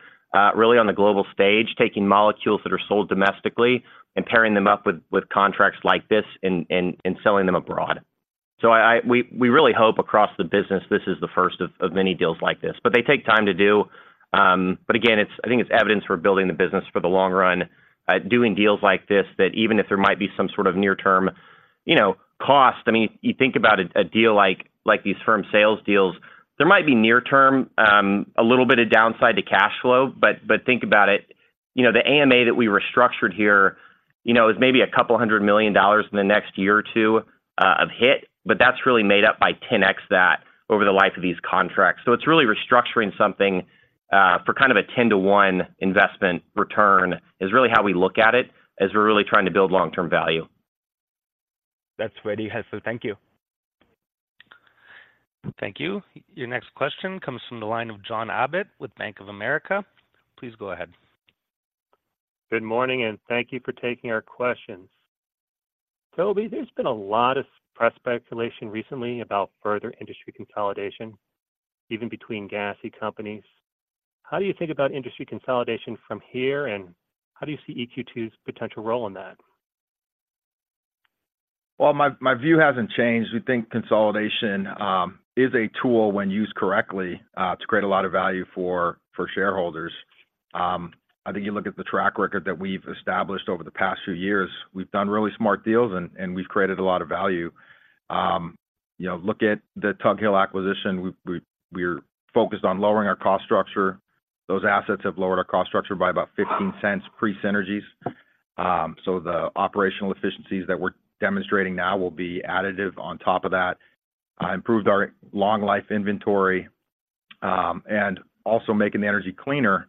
really on the global stage, taking molecules that are sold domestically and pairing them up with contracts like this and selling them abroad. So we really hope across the business, this is the first of many deals like this, but they take time to do. But again, it's. I think it's evidence we're building the business for the long run, doing deals like this, that even if there might be some sort of near term, you know, cost... I mean, you think about a deal like these firm sales deals, there might be near-term a little bit of downside to cash flow, but think about it, you know, the AMA that we restructured here, you know, is maybe $200 million in the next year or two of hit, but that's really made up by 10x that over the life of these contracts. So it's really restructuring something for kind of a 10-to-1 investment return, is really how we look at it, as we're really trying to build long-term value. That's very helpful. Thank you. Thank you. Your next question comes from the line of John Abbott with Bank of America. Please go ahead. Good morning, and thank you for taking our questions. Toby, there's been a lot of press speculation recently about further industry consolidation, even between gassy companies. How do you think about industry consolidation from here, and how do you see EQT's potential role in that? Well, my view hasn't changed. We think consolidation is a tool when used correctly to create a lot of value for shareholders. I think you look at the track record that we've established over the past few years. We've done really smart deals and we've created a lot of value. You know, look at the Tug Hill acquisition. We're focused on lowering our cost structure. Those assets have lowered our cost structure by about $0.15 pre-synergies. So the operational efficiencies that we're demonstrating now will be additive on top of that. Improved our long life inventory and also making the energy cleaner.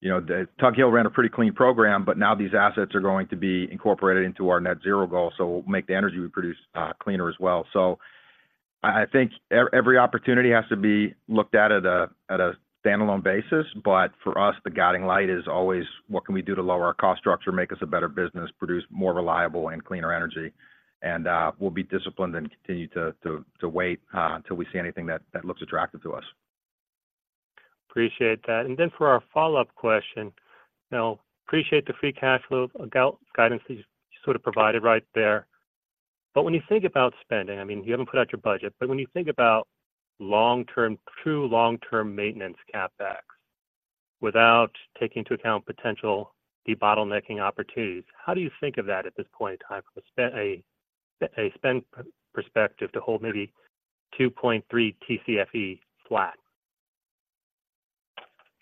You know, the Tug Hill ran a pretty clean program, but now these assets are going to be incorporated into our net zero goal, so we'll make the energy we produce cleaner as well. So I think every opportunity has to be looked at on a standalone basis, but for us, the guiding light is always: what can we do to lower our cost structure, make us a better business, produce more reliable and cleaner energy? And we'll be disciplined and continue to wait until we see anything that looks attractive to us. Appreciate that. Then for our follow-up question, now, appreciate the free cash flow guidance that you sort of provided right there. But when you think about spending, I mean, you haven't put out your budget, but when you think about long-term, true long-term maintenance CapEx, without taking into account potential debottlenecking opportunities, how do you think of that at this point in time from a spend perspective to hold maybe 2.3 Tcfe flat?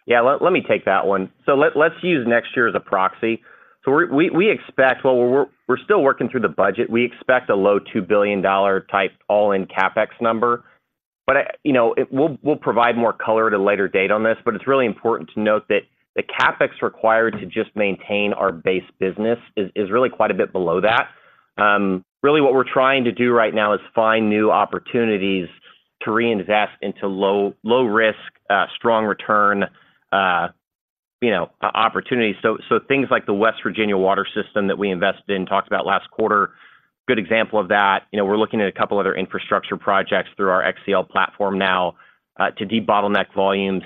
Yeah, let me take that one. So let's use next year as a proxy. So we expect... Well, we're still working through the budget. We expect a low $2 billion type all-in CapEx number. But, you know, we'll provide more color at a later date on this, but it's really important to note that the CapEx required to just maintain our base business is really quite a bit below that. Really, what we're trying to do right now is find new opportunities to reinvest into low, low risk, strong return, you know, opportunity. So things like the West Virginia water system that we invested in, talked about last quarter, good example of that. You know, we're looking at a couple other infrastructure projects through our XcL platform now to de-bottleneck volumes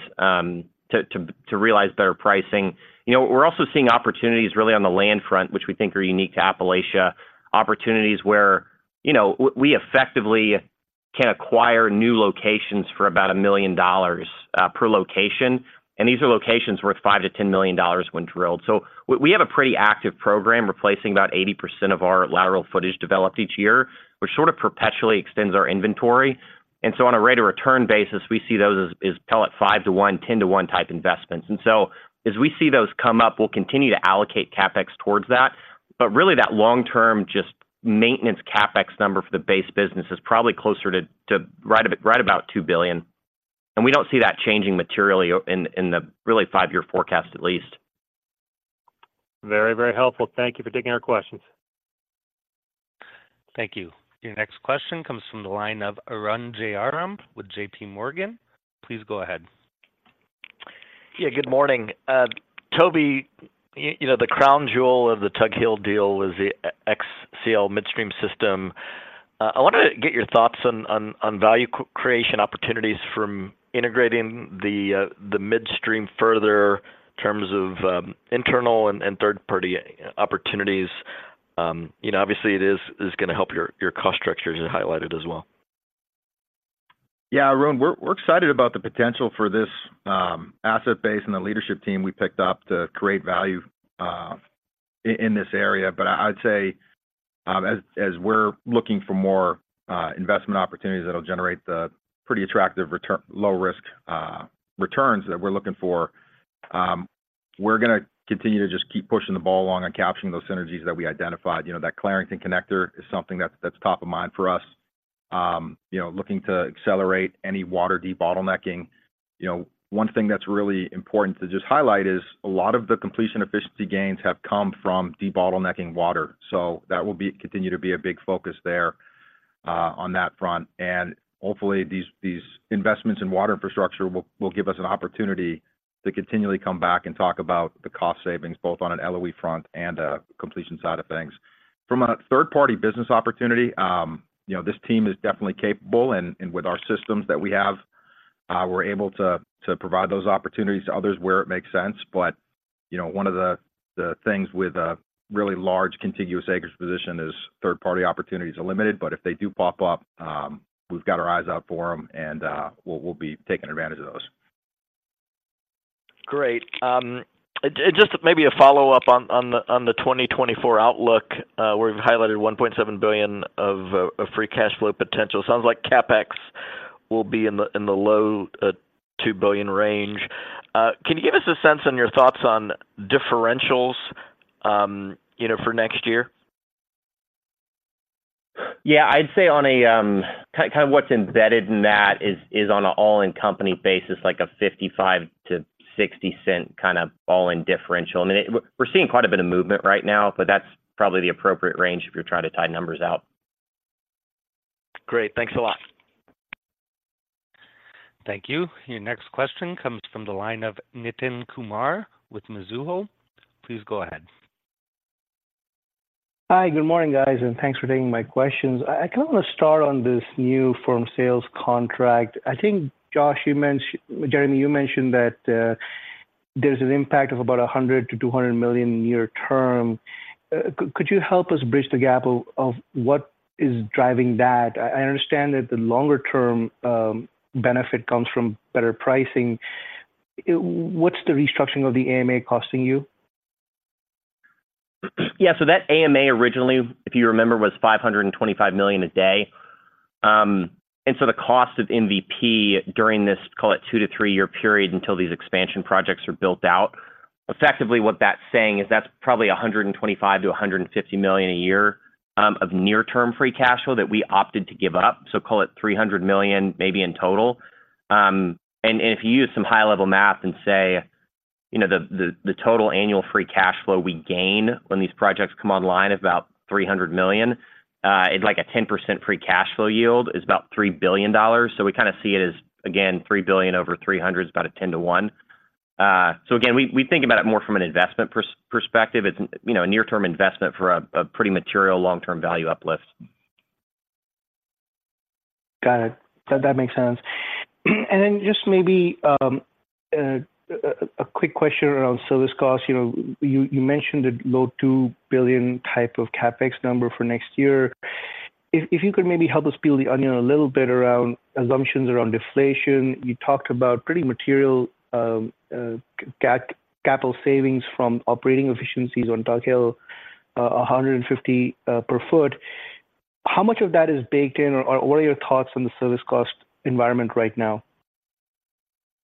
to realize better pricing. You know, we're also seeing opportunities really on the land front, which we think are unique to Appalachia. Opportunities where, you know, we effectively can acquire new locations for about $1 million per location, and these are locations worth $5 million-$10 million when drilled. So we have a pretty active program, replacing about 80% of our lateral footage developed each year, which sort of perpetually extends our inventory. And so on a rate of return basis, we see those as call it 5-to-1, 10-to-1 type investments. And so as we see those come up, we'll continue to allocate CapEx towards that. But really, that long-term just maintenance CapEx number for the base business is probably closer to right about $2 billion, and we don't see that changing materially in the really five-year forecast at least. Very, very helpful. Thank you for taking our questions. Thank you. Your next question comes from the line of Arun Jayaram with JPMorgan. Please go ahead. Yeah, good morning. Toby, you know, the crown jewel of the Tug Hill deal was the XcL Midstream system. I wanted to get your thoughts on value creation opportunities from integrating the Midstream further in terms of internal and third-party opportunities. You know, obviously, it is gonna help your cost structures as highlighted as well. Yeah, Arun, we're excited about the potential for this asset base and the leadership team we picked up to create value in this area. But I'd say, as we're looking for more investment opportunities that'll generate pretty attractive low-risk returns that we're looking for, we're gonna continue to just keep pushing the ball along and capturing those synergies that we identified. You know, that Clarington Connector is something that's top of mind for us. You know, looking to accelerate any water de-bottlenecking. You know, one thing that's really important to just highlight is a lot of the completion efficiency gains have come from de-bottlenecking water, so that will continue to be a big focus there on that front. Hopefully, these investments in water infrastructure will give us an opportunity to continually come back and talk about the cost savings, both on an LOE front and completion side of things. From a third-party business opportunity, you know, this team is definitely capable, and with our systems that we have, we're able to provide those opportunities to others where it makes sense. But, you know, one of the things with a really large contiguous acreage position is third-party opportunities are limited, but if they do pop up, we've got our eyes out for them, and we'll be taking advantage of those. Great. And just maybe a follow-up on the 2024 outlook, where you've highlighted $1.7 billion of a free cash flow potential. Sounds like CapEx will be in the low $2 billion range. Can you give us a sense on your thoughts on differentials, you know, for next year? Yeah, I'd say on a kind of what's embedded in that is on an all-in company basis, like a $0.55-$0.60 kind of all-in differential. I mean, we're seeing quite a bit of movement right now, but that's probably the appropriate range if you're trying to tie numbers out. Great. Thanks a lot. Thank you. Your next question comes from the line of Nitin Kumar with Mizuho. Please go ahead. Hi, good morning, guys, and thanks for taking my questions. I kind of want to start on this new firm sales contract. I think, Josh, you mentioned... Jeremy, you mentioned that there's an impact of about $100 million-$200 million near term. Could you help us bridge the gap of what is driving that? I understand that the longer-term benefit comes from better pricing. What's the restructuring of the AMA costing you? Yeah, so that AMA originally, if you remember, was $525 million a day. And so the cost of MVP during this, call it two-three year period, until these expansion projects are built out, effectively, what that's saying is that's probably $125 million-$150 million a year, of near-term free cash flow that we opted to give up, so call it $300 million maybe in total. And if you use some high-level math and say, you know, the total annual free cash flow we gain when these projects come online is about $300 million, it's like a 10% free cash flow yield is about $3 billion. So we kind of see it as, again, $3 billion over $300 million is about a 10-to-1. So again, we think about it more from an investment perspective. It's, you know, a near-term investment for a pretty material long-term value uplift. Got it. That makes sense. And then just maybe a quick question around service costs. You know, you mentioned a low $2 billion type of CapEx number for next year. If you could maybe help us peel the onion a little bit around assumptions around deflation. You talked about pretty material capital savings from operating efficiencies on Tug Hill, 150 per foot. How much of that is baked in, or what are your thoughts on the service cost environment right now?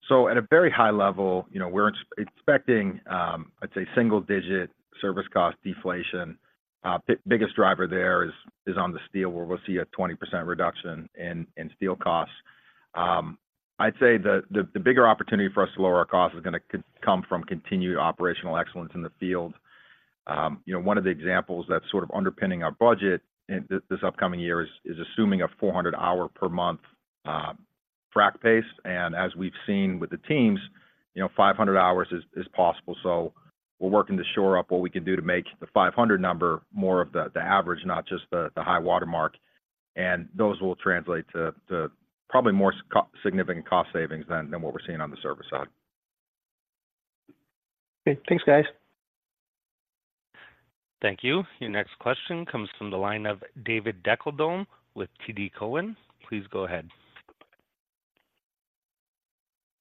So at a very high level, you know, we're expecting, I'd say, single-digit service cost deflation. Biggest driver there is on the steel, where we'll see a 20% reduction in steel costs. I'd say the bigger opportunity for us to lower our cost is gonna come from continued operational excellence in the field. You know, one of the examples that's sort of underpinning our budget in this upcoming year is assuming a 400-hour per month frack pace. And as we've seen with the teams, you know, 500 hours is possible. So we're working to shore up what we can do to make the 500 number more of the average, not just the high watermark. Those will translate to probably more significant cost savings than what we're seeing on the service side. Okay. Thanks, guys. Thank you. Your next question comes from the line of David Deckelbaum with TD Cowen. Please go ahead.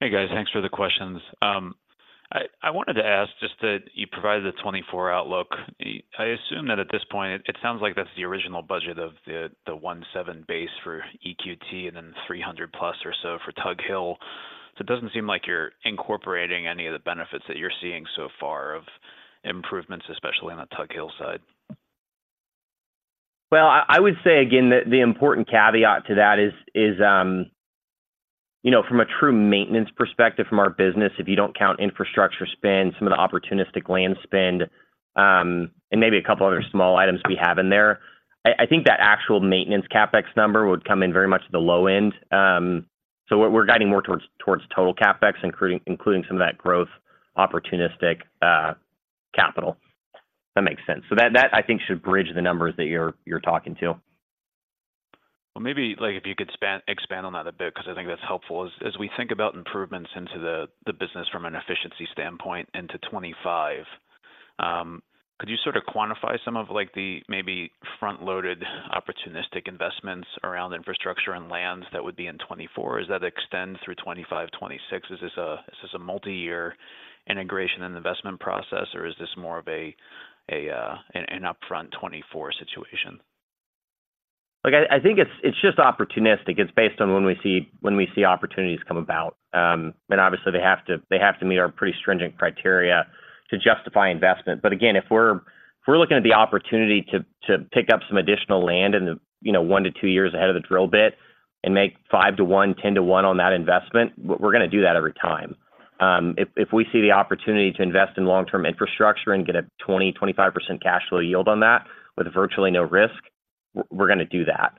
Hey, guys. Thanks for the questions. I wanted to ask just that you provided the 2024 outlook. I assume that at this point, it sounds like that's the original budget of the 1.7 base for EQT and then 300+ or so for Tug Hill. So it doesn't seem like you're incorporating any of the benefits that you're seeing so far of improvements, especially on the Tug Hill side. Well, I would say again, the important caveat to that is, you know, from a true maintenance perspective, from our business, if you don't count infrastructure spend, some of the opportunistic land spend, and maybe a couple other small items we have in there, I think that actual maintenance CapEx number would come in very much at the low end. So what we're guiding more towards total CapEx, including some of that growth, opportunistic capital. If that makes sense. So that, I think, should bridge the numbers that you're talking to. Well, maybe, like, if you could expand on that a bit, 'cause I think that's helpful. As we think about improvements into the business from an efficiency standpoint into 2025, could you sort of quantify some of like the maybe front-loaded opportunistic investments around infrastructure and lands that would be in 2024? Does that extend through 2025, 2026? Is this a multi-year integration and investment process, or is this more of an upfront 2024 situation? Look, I, I think it's, it's just opportunistic. It's based on when we see, when we see opportunities come about. And obviously, they have to, they have to meet our pretty stringent criteria to justify investment. But again, if we're, if we're looking at the opportunity to, to pick up some additional land in the, you know, one-two years ahead of the drill bit and make 5:1, 10:1 on that investment, we're gonna do that every time. If, if we see the opportunity to invest in long-term infrastructure and get a 20%-25% cash flow yield on that with virtually no risk, we're gonna do that.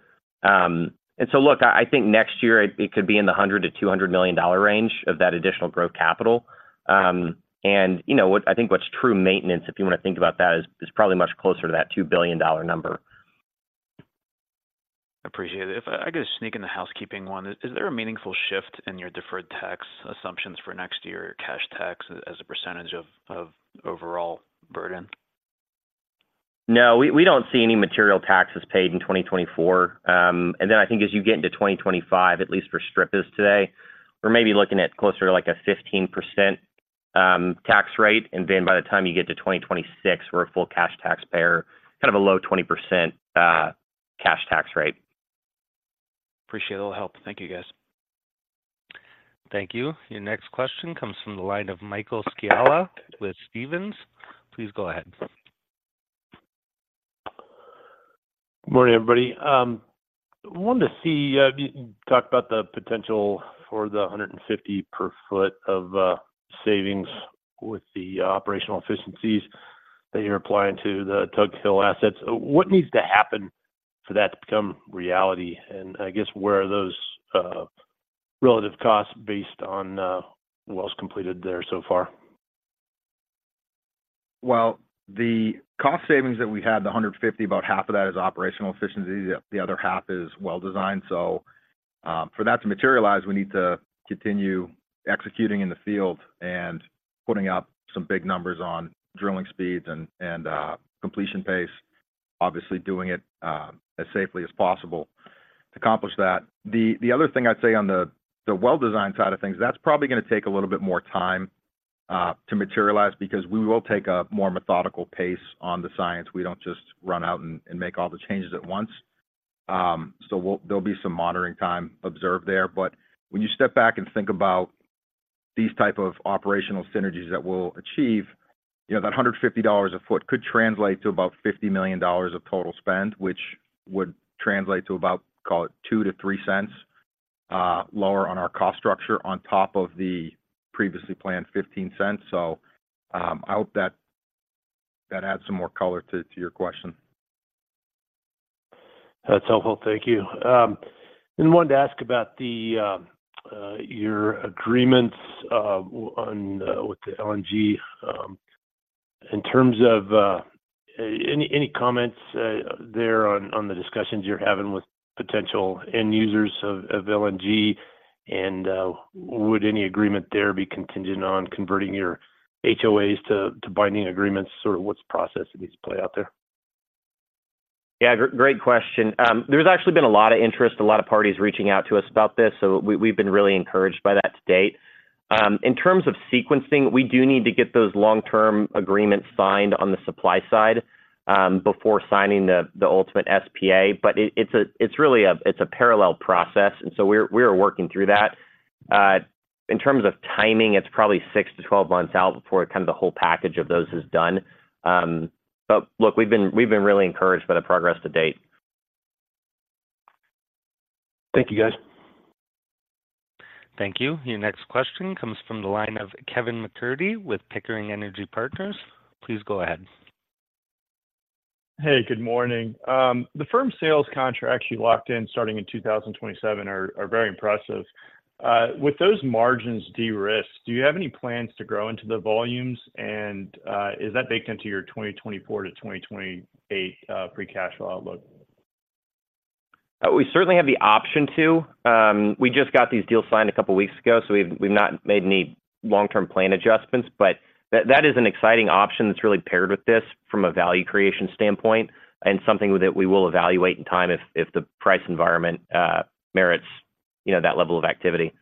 And so look, I, I think next year it, it could be in the $100 million-$200 million range of that additional growth capital. And you know what? I think what's true maintenance, if you wanna think about that, is probably much closer to that $2 billion number. Appreciate it. If I could just sneak in the housekeeping one, is there a meaningful shift in your deferred tax assumptions for next year cash tax as a percentage of overall burden? No, we don't see any material taxes paid in 2024. And then I think as you get into 2025, at least for strip is today, we're maybe looking at closer to, like, a 15% tax rate. And then by the time you get to 2026, we're a full cash taxpayer, kind of a low 20% cash tax rate. Appreciate all the help. Thank you, guys. Thank you. Your next question comes from the line of Michael Scialla with Stephens. Please go ahead. Good morning, everybody. Wanted to see, you talked about the potential for the $150 per foot of savings with the operational efficiencies that you're applying to the Tug Hill assets. What needs to happen for that to become reality? And I guess, where are those relative costs based on, what was completed there so far? Well, the cost savings that we had, the 150, about half of that is operational efficiency, the other half is well designed. For that to materialize, we need to continue executing in the field and putting up some big numbers on drilling speeds and, and, completion pace. Obviously, doing it as safely as possible to accomplish that. The other thing I'd say on the well design side of things, that's probably gonna take a little bit more time to materialize because we will take a more methodical pace on the science. We don't just run out and make all the changes at once. We'll—there'll be some monitoring time observed there. But when you step back and think about these type of operational synergies that we'll achieve, you know, that $150 a foot could translate to about $50 million of total spend, which would translate to about, call it $0.02-$0.03 lower on our cost structure, on top of the previously planned $0.15. So, I hope that adds some more color to your question. That's helpful. Thank you. Then wanted to ask about the your agreements on with the LNG. In terms of any, any comments there on the discussions you're having with potential end users of LNG? And would any agreement there be contingent on converting your HOAs to binding agreements? Sort of, what's the process that needs to play out there? Yeah, great question. There's actually been a lot of interest, a lot of parties reaching out to us about this, so we've been really encouraged by that to date. In terms of sequencing, we do need to get those long-term agreements signed on the supply side, before signing the ultimate SPA. But it's really a parallel process, and so we're working through that. In terms of timing, it's probably 6-12 months out before kind of the whole package of those is done. But look, we've been really encouraged by the progress to date. Thank you, guys. Thank you. Your next question comes from the line of Kevin MacCurdy with Pickering Energy Partners. Please go ahead. Hey, good morning. The firm sales contracts you locked in starting in 2027 are very impressive. With those margins de-risked, do you have any plans to grow into the volumes? Is that baked into your 2024-2028 free cash flow outlook? We certainly have the option to. We just got these deals signed a couple of weeks ago, so we've not made any long-term plan adjustments, but that is an exciting option that's really paired with this from a value creation standpoint, and something that we will evaluate in time if the price environment merits, you know, that level of activity.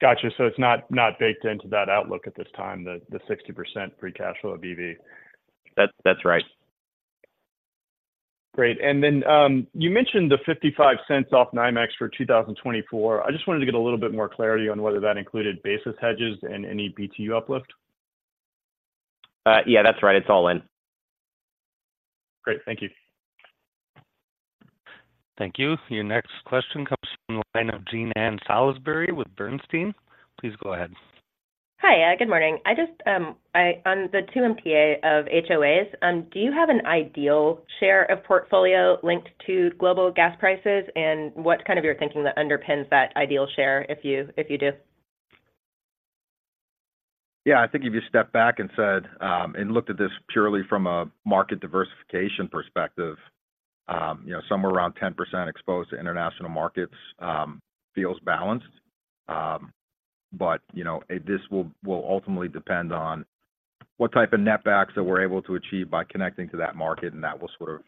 Got you. So it's not baked into that outlook at this time, the 60% free cash flow BV? That's, that's right. Great. And then, you mentioned the $0.55 off NYMEX for 2024. I just wanted to get a little bit more clarity on whether that included basis hedges and any BTU uplift. Yeah, that's right. It's all in. Great. Thank you. Thank you. Your next question comes from the line of Jean Ann Salisbury with Bernstein. Please go ahead. Hi, good morning. I just, I on the two MTA of HOAs, do you have an ideal share of portfolio linked to global gas prices? And what's kind of your thinking that underpins that ideal share, if you do? Yeah, I think if you step back and said and looked at this purely from a market diversification perspective, you know, somewhere around 10% exposed to international markets feels balanced. But, you know, this will ultimately depend on what type of netbacks that we're able to achieve by connecting to that market, and that will sort of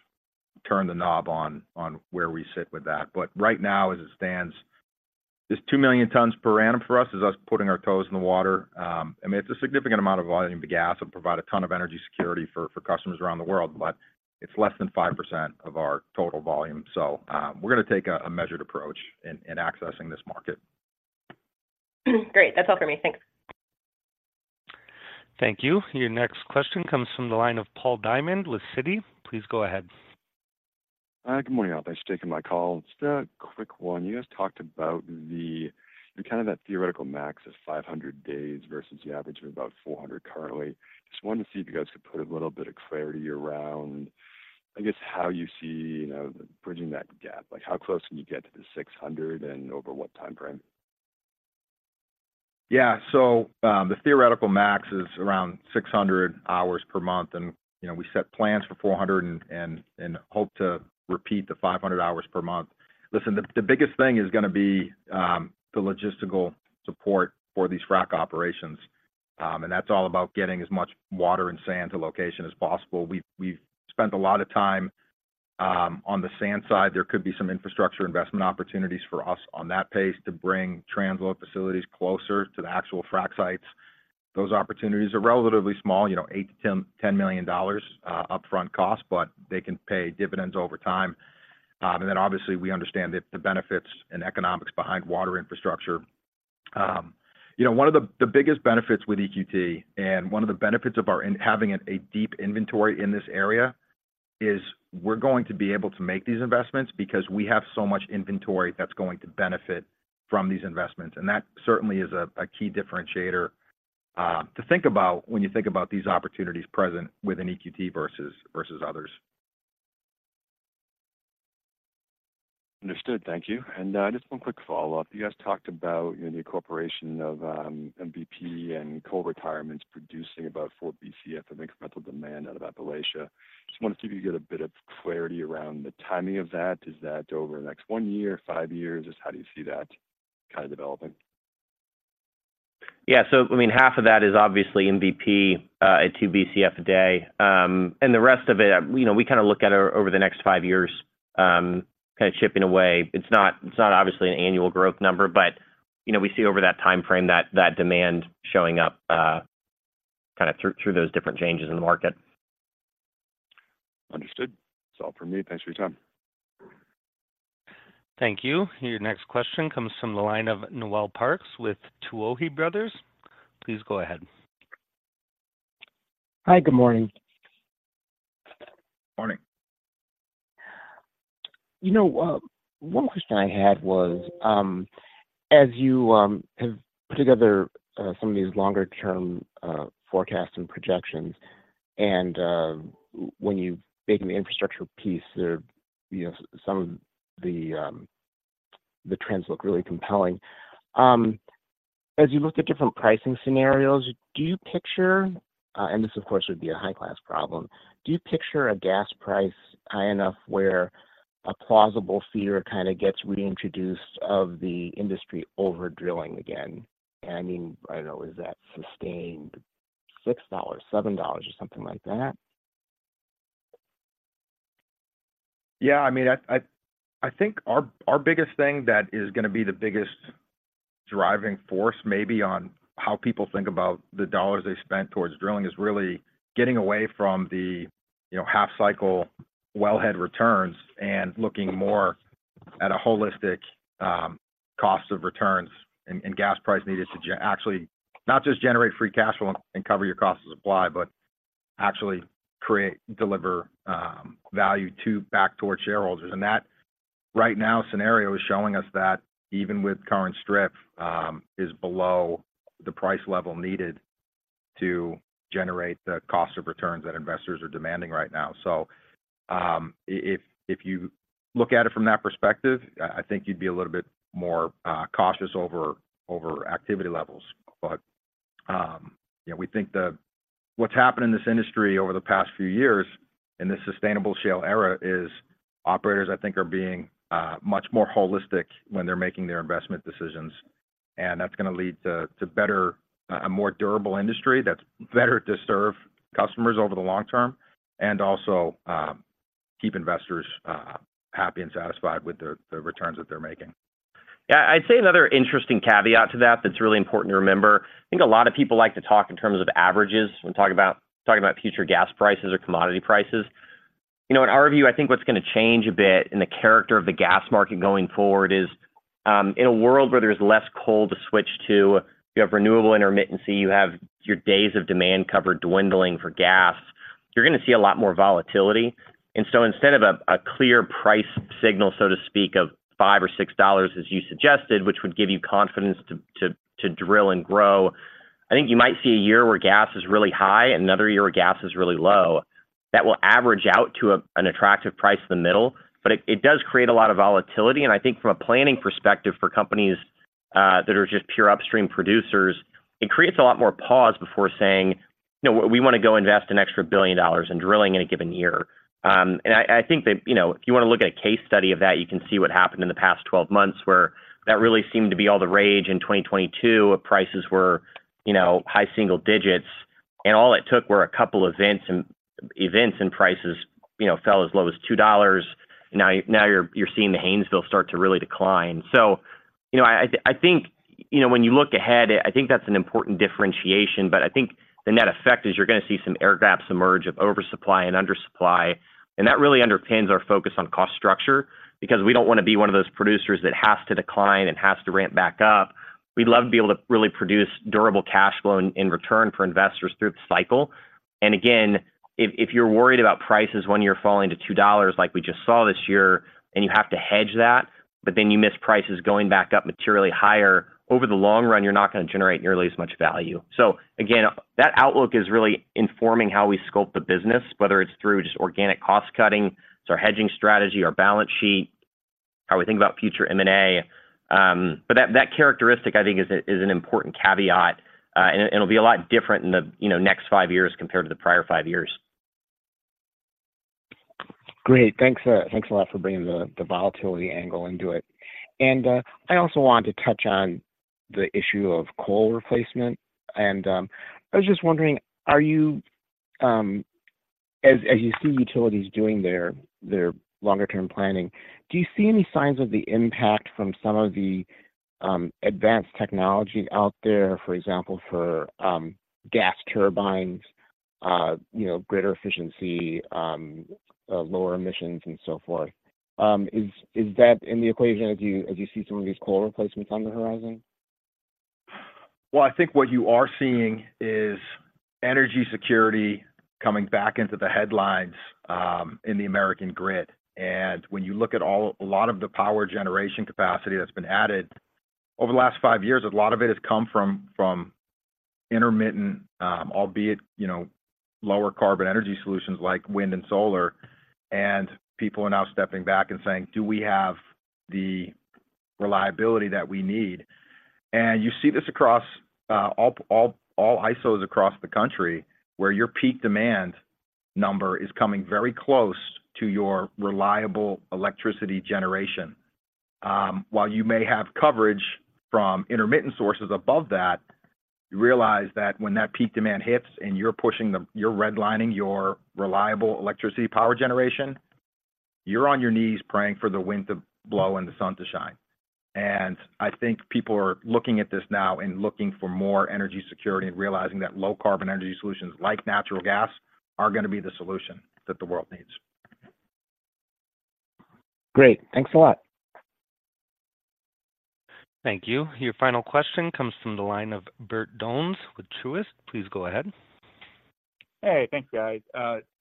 turn the knob on where we sit with that. But right now, as it stands, this 2 million tons per annum for us is us putting our toes in the water. I mean, it's a significant amount of volume of gas and provide a ton of energy security for customers around the world, but it's less than 5% of our total volume. So, we're gonna take a measured approach in accessing this market. Great. That's all for me. Thanks. Thank you. Your next question comes from the line of Paul Diamond with Citi. Please go ahead. Good morning, all. Thanks for taking my call. Just a quick one. You guys talked about the kind of that theoretical max of 500 days versus the average of about 400 currently. Just wanted to see if you guys could put a little bit of clarity around, I guess, how you see, you know, bridging that gap. Like, how close can you get to the 600, and over what time frame? Yeah. So, the theoretical max is around 600 hours per month, and, you know, we set plans for 400 and hope to repeat the 500 hours per month. Listen, the biggest thing is gonna be the logistical support for these frack operations, and that's all about getting as much water and sand to location as possible. We've spent a lot of time on the sand side. There could be some infrastructure investment opportunities for us on that pace to bring transload facilities closer to the actual frack sites. Those opportunities are relatively small, you know, $8 million-$10 million upfront cost, but they can pay dividends over time. And then obviously, we understand the benefits and economics behind water infrastructure. You know, one of the biggest benefits with EQT and one of the benefits of our having a deep inventory in this area is we're going to be able to make these investments because we have so much inventory that's going to benefit from these investments. And that certainly is a key differentiator to think about when you think about these opportunities present within EQT versus others. Understood. Thank you. Just one quick follow-up. You guys talked about the incorporation of MVP and coal retirements, producing about 4 Bcf of incremental demand out of Appalachia. Just wanted to see if you get a bit of clarity around the timing of that. Is that over the next one year, five years? Just how do you see that kinda developing? Yeah. So I mean, half of that is obviously MVP at 2 Bcf a day. And the rest of it, you know, we kinda look at over the next five years, kinda chipping away. It's not, it's not obviously an annual growth number, but, you know, we see over that timeframe that, that demand showing up, kinda through those different changes in the market. Understood. That's all for me. Thanks for your time. Thank you. Your next question comes from the line of Noel Parks with Tuohy Brothers. Please go ahead. Hi, good morning. Morning. You know, one question I had was, as you have put together some of these longer-term forecasts and projections, and when you've made an infrastructure piece there, you know, some of the, the trends look really compelling. As you looked at different pricing scenarios, do you picture, and this, of course, would be a high-class problem, do you picture a gas price high enough where a plausible fear kinda gets reintroduced of the industry overdrilling again? I mean, I know, is that sustained $6, $7, or something like that? Yeah, I mean, I think our biggest thing that is gonna be the biggest driving force, maybe on how people think about the dollars they spent towards drilling, is really getting away from the, you know, half cycle wellhead returns and looking more at a holistic cost of returns and gas price needed to actually, not just generate free cash flow and cover your cost of supply, but actually create, deliver value to back toward shareholders. And that right now scenario is showing us that even with current strip is below the price level needed to generate the cost of returns that investors are demanding right now. So, if you look at it from that perspective, I think you'd be a little bit more cautious over activity levels. But yeah, we think what's happened in this industry over the past few years, in this sustainable shale era, is operators, I think, are being much more holistic when they're making their investment decisions, and that's gonna lead to a more durable industry that's better to serve customers over the long term, and also keep investors happy and satisfied with the returns that they're making. Yeah, I'd say another interesting caveat to that, that's really important to remember. I think a lot of people like to talk in terms of averages when talking about future gas prices or commodity prices. You know, in our view, I think what's gonna change a bit in the character of the gas market going forward is, in a world where there's less coal to switch to, you have renewable intermittency, you have your days of demand cover dwindling for gas, you're gonna see a lot more volatility. And so instead of a clear price signal, so to speak, of $5 or $6, as you suggested, which would give you confidence to drill and grow, I think you might see a year where gas is really high and another year where gas is really low. That will average out to an attractive price in the middle, but it does create a lot of volatility. And I think from a planning perspective for companies that are just pure upstream producers, it creates a lot more pause before saying, "You know what? We wanna go invest an extra $1 billion in drilling in a given year." And I think that, you know, if you wanna look at a case study of that, you can see what happened in the past 12 months, where that really seemed to be all the rage in 2022, prices were, you know, high single digits, and all it took were a couple events, and prices, you know, fell as low as $2. Now, now you're seeing the Haynesville start to really decline. So, you know, I think, you know, when you look ahead, I think that's an important differentiation, but I think the net effect is you're gonna see some air gaps emerge of oversupply and undersupply, and that really underpins our focus on cost structure because we don't wanna be one of those producers that has to decline and has to ramp back up. We'd love to be able to really produce durable cash flow in return for investors through the cycle. And again, if you're worried about prices one year falling to $2 like we just saw this year, and you have to hedge that, but then you miss prices going back up materially higher, over the long run, you're not gonna generate nearly as much value. So again, that outlook is really informing how we scope the business, whether it's through just organic cost cutting, it's our hedging strategy, our balance sheet, how we think about future M&A. But that characteristic, I think, is an important caveat, and it'll be a lot different in the, you know, next five years compared to the prior five years. Great. Thanks, thanks a lot for bringing the volatility angle into it. And I also wanted to touch on the issue of coal replacement. And I was just wondering, as you see utilities doing their longer-term planning, do you see any signs of the impact from some of the advanced technology out there, for example, for gas turbines, you know, greater efficiency, lower emissions, and so forth? Is that in the equation as you see some of these coal replacements on the horizon? Well, I think what you are seeing is energy security coming back into the headlines, in the American grid. And when you look at a lot of the power generation capacity that's been added, over the last five years, a lot of it has come from intermittent, albeit, you know, lower carbon energy solutions like wind and solar. And people are now stepping back and saying, "Do we have the reliability that we need?" And you see this across all ISOs across the country, where your peak demand number is coming very close to your reliable electricity generation. While you may have coverage from intermittent sources above that, you realize that when that peak demand hits and you're pushing the you're redlining your reliable electricity power generation, you're on your knees praying for the wind to blow and the sun to shine. I think people are looking at this now and looking for more energy security and realizing that low-carbon energy solutions, like natural gas, are gonna be the solution that the world needs. Great. Thanks a lot. Thank you. Your final question comes from the line of Bert Donnes with Truist. Please go ahead. Hey, thanks, guys.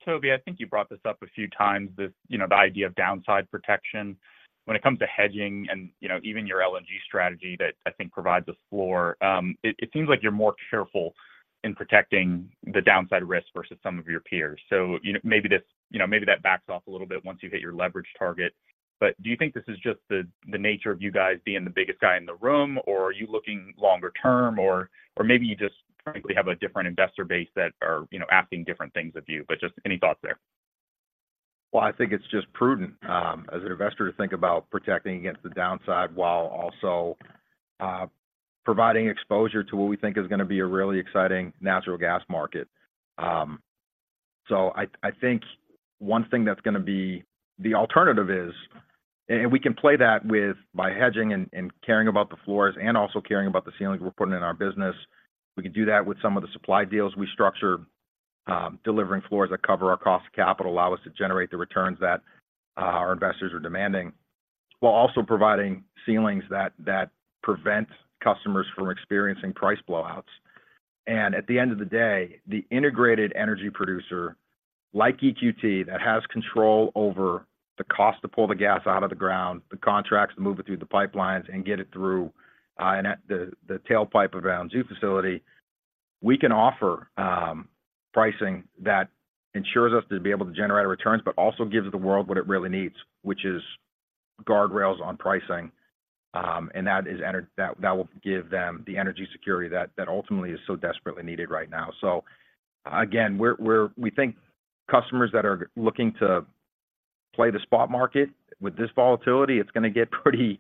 Toby, I think you brought this up a few times, this, you know, the idea of downside protection. When it comes to hedging and, you know, even your LNG strategy that I think provides a floor, it seems like you're more careful in protecting the downside risk versus some of your peers. So, you know, maybe this, you know, maybe that backs off a little bit once you hit your leverage target. But do you think this is just the nature of you guys being the biggest guy in the room? Or are you looking longer term? Or maybe you just frankly have a different investor base that are, you know, asking different things of you. But just any thoughts there? Well, I think it's just prudent, as an investor to think about protecting against the downside while also, providing exposure to what we think is gonna be a really exciting natural gas market. So I think one thing that's gonna be the alternative is... And we can play that by hedging and caring about the floors, and also caring about the ceilings we're putting in our business. We can do that with some of the supply deals we structure, delivering floors that cover our cost of capital, allow us to generate the returns that our investors are demanding.... while also providing ceilings that prevent customers from experiencing price blowouts. At the end of the day, the integrated energy producer, like EQT, that has control over the cost to pull the gas out of the ground, the contracts to move it through the pipelines and get it through, and at the tailpipe of our Anzu facility, we can offer pricing that ensures us to be able to generate returns, but also gives the world what it really needs, which is guardrails on pricing. That will give them the energy security that ultimately is so desperately needed right now. Again, we think customers that are looking to play the spot market with this volatility, it's gonna get pretty,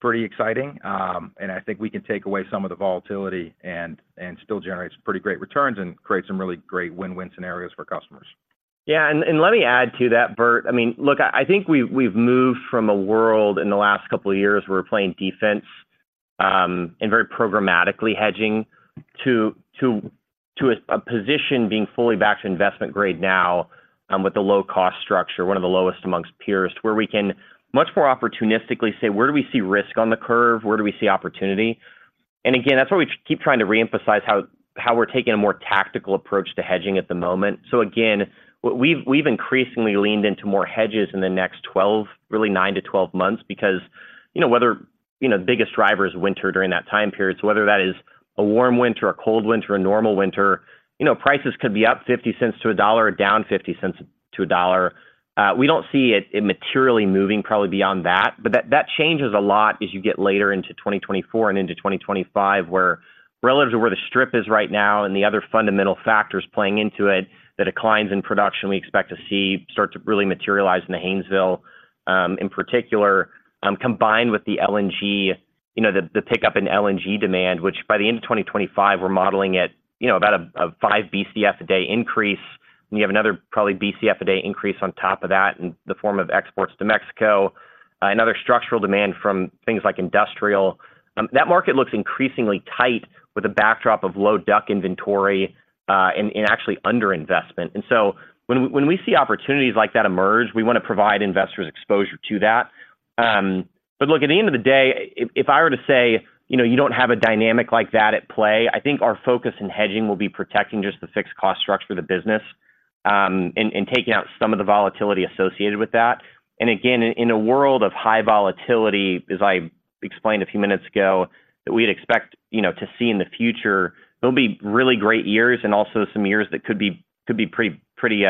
pretty exciting. I think we can take away some of the volatility and still generate some pretty great returns and create some really great win-win scenarios for customers. Yeah, and let me add to that, Bert. I mean, look, I think we’ve moved from a world in the last couple of years where we're playing defense, and very programmatically hedging to a position being fully backed to investment grade now, with a low cost structure, one of the lowest among peers, where we can much more opportunistically say, where do we see risk on the curve? Where do we see opportunity? And again, that's why we keep trying to reemphasize how we're taking a more tactical approach to hedging at the moment. So again, we’ve increasingly leaned into more hedges in the next 12, really 9-12 months because you know, the biggest driver is winter during that time period. So whether that is a warm winter, a cold winter, a normal winter, you know, prices could be up $0.50-$1.00, down $0.50-$1.00. We don't see it materially moving probably beyond that, but that changes a lot as you get later into 2024 and into 2025, where relative to where the strip is right now and the other fundamental factors playing into it, the declines in production we expect to see start to really materialize in the Haynesville, in particular, combined with the LNG. You know, the pickup in LNG demand, which by the end of 2025, we're modeling at, you know, about a 5 Bcf a day increase. We have another probably Bcf a day increase on top of that in the form of exports to Mexico. Another structural demand from things like industrial. That market looks increasingly tight with a backdrop of low DUC inventory, and actually underinvestment. And so when we see opportunities like that emerge, we wanna provide investors exposure to that. But look, at the end of the day, if I were to say, you know, you don't have a dynamic like that at play, I think our focus in hedging will be protecting just the fixed cost structure of the business, and taking out some of the volatility associated with that. And again, in a world of high volatility, as I explained a few minutes ago, that we'd expect, you know, to see in the future, there'll be really great years and also some years that could be pretty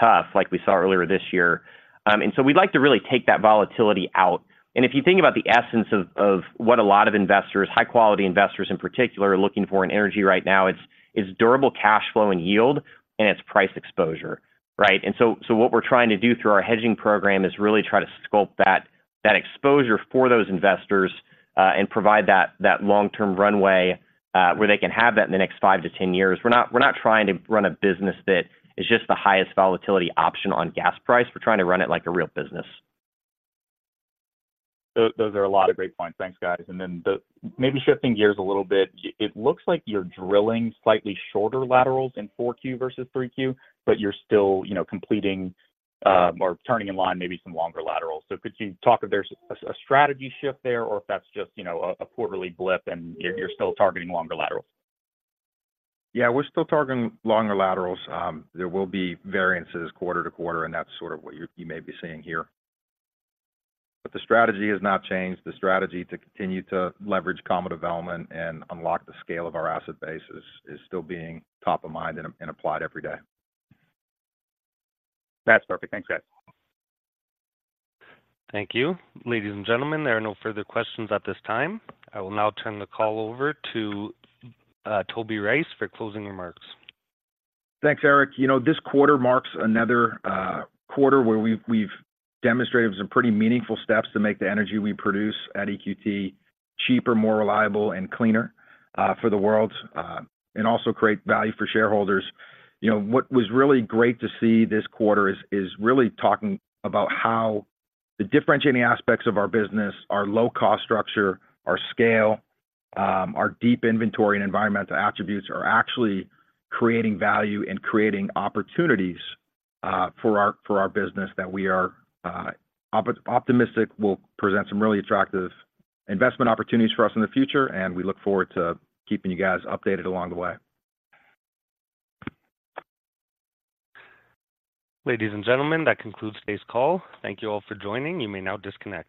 tough, like we saw earlier this year. and so we'd like to really take that volatility out. And if you think about the essence of, of what a lot of investors, high quality investors in particular, are looking for in energy right now, it's, it's durable cash flow and yield, and it's price exposure, right? And so, so what we're trying to do through our hedging program is really try to sculpt that, that exposure for those investors, and provide that, that long-term runway, where they can have that in the next 5-10 years. We're not, we're not trying to run a business that is just the highest volatility option on gas price. We're trying to run it like a real business. So those are a lot of great points. Thanks, guys. Then maybe shifting gears a little bit, it looks like you're drilling slightly shorter laterals in 4Q versus 3Q, but you're still, you know, completing or turning in line, maybe some longer laterals. So could you talk if there's a strategy shift there or if that's just, you know, a quarterly blip and you're still targeting longer laterals? Yeah, we're still targeting longer laterals. There will be variances quarter-to-quarter, and that's sort of what you may be seeing here. But the strategy has not changed. The strategy to continue to leverage combo-development and unlock the scale of our asset base is still being top of mind and applied every day. That's perfect. Thanks, guys. Thank you. Ladies and gentlemen, there are no further questions at this time. I will now turn the call over to Toby Rice for closing remarks. Thanks, Eric. You know, this quarter marks another quarter where we've demonstrated some pretty meaningful steps to make the energy we produce at EQT cheaper, more reliable, and cleaner for the world, and also create value for shareholders. You know, what was really great to see this quarter is really talking about how the differentiating aspects of our business, our low cost structure, our scale, our deep inventory and environmental attributes are actually creating value and creating opportunities for our business that we are optimistic will present some really attractive investment opportunities for us in the future, and we look forward to keeping you guys updated along the way. Ladies and gentlemen, that concludes today's call. Thank you all for joining. You may now disconnect.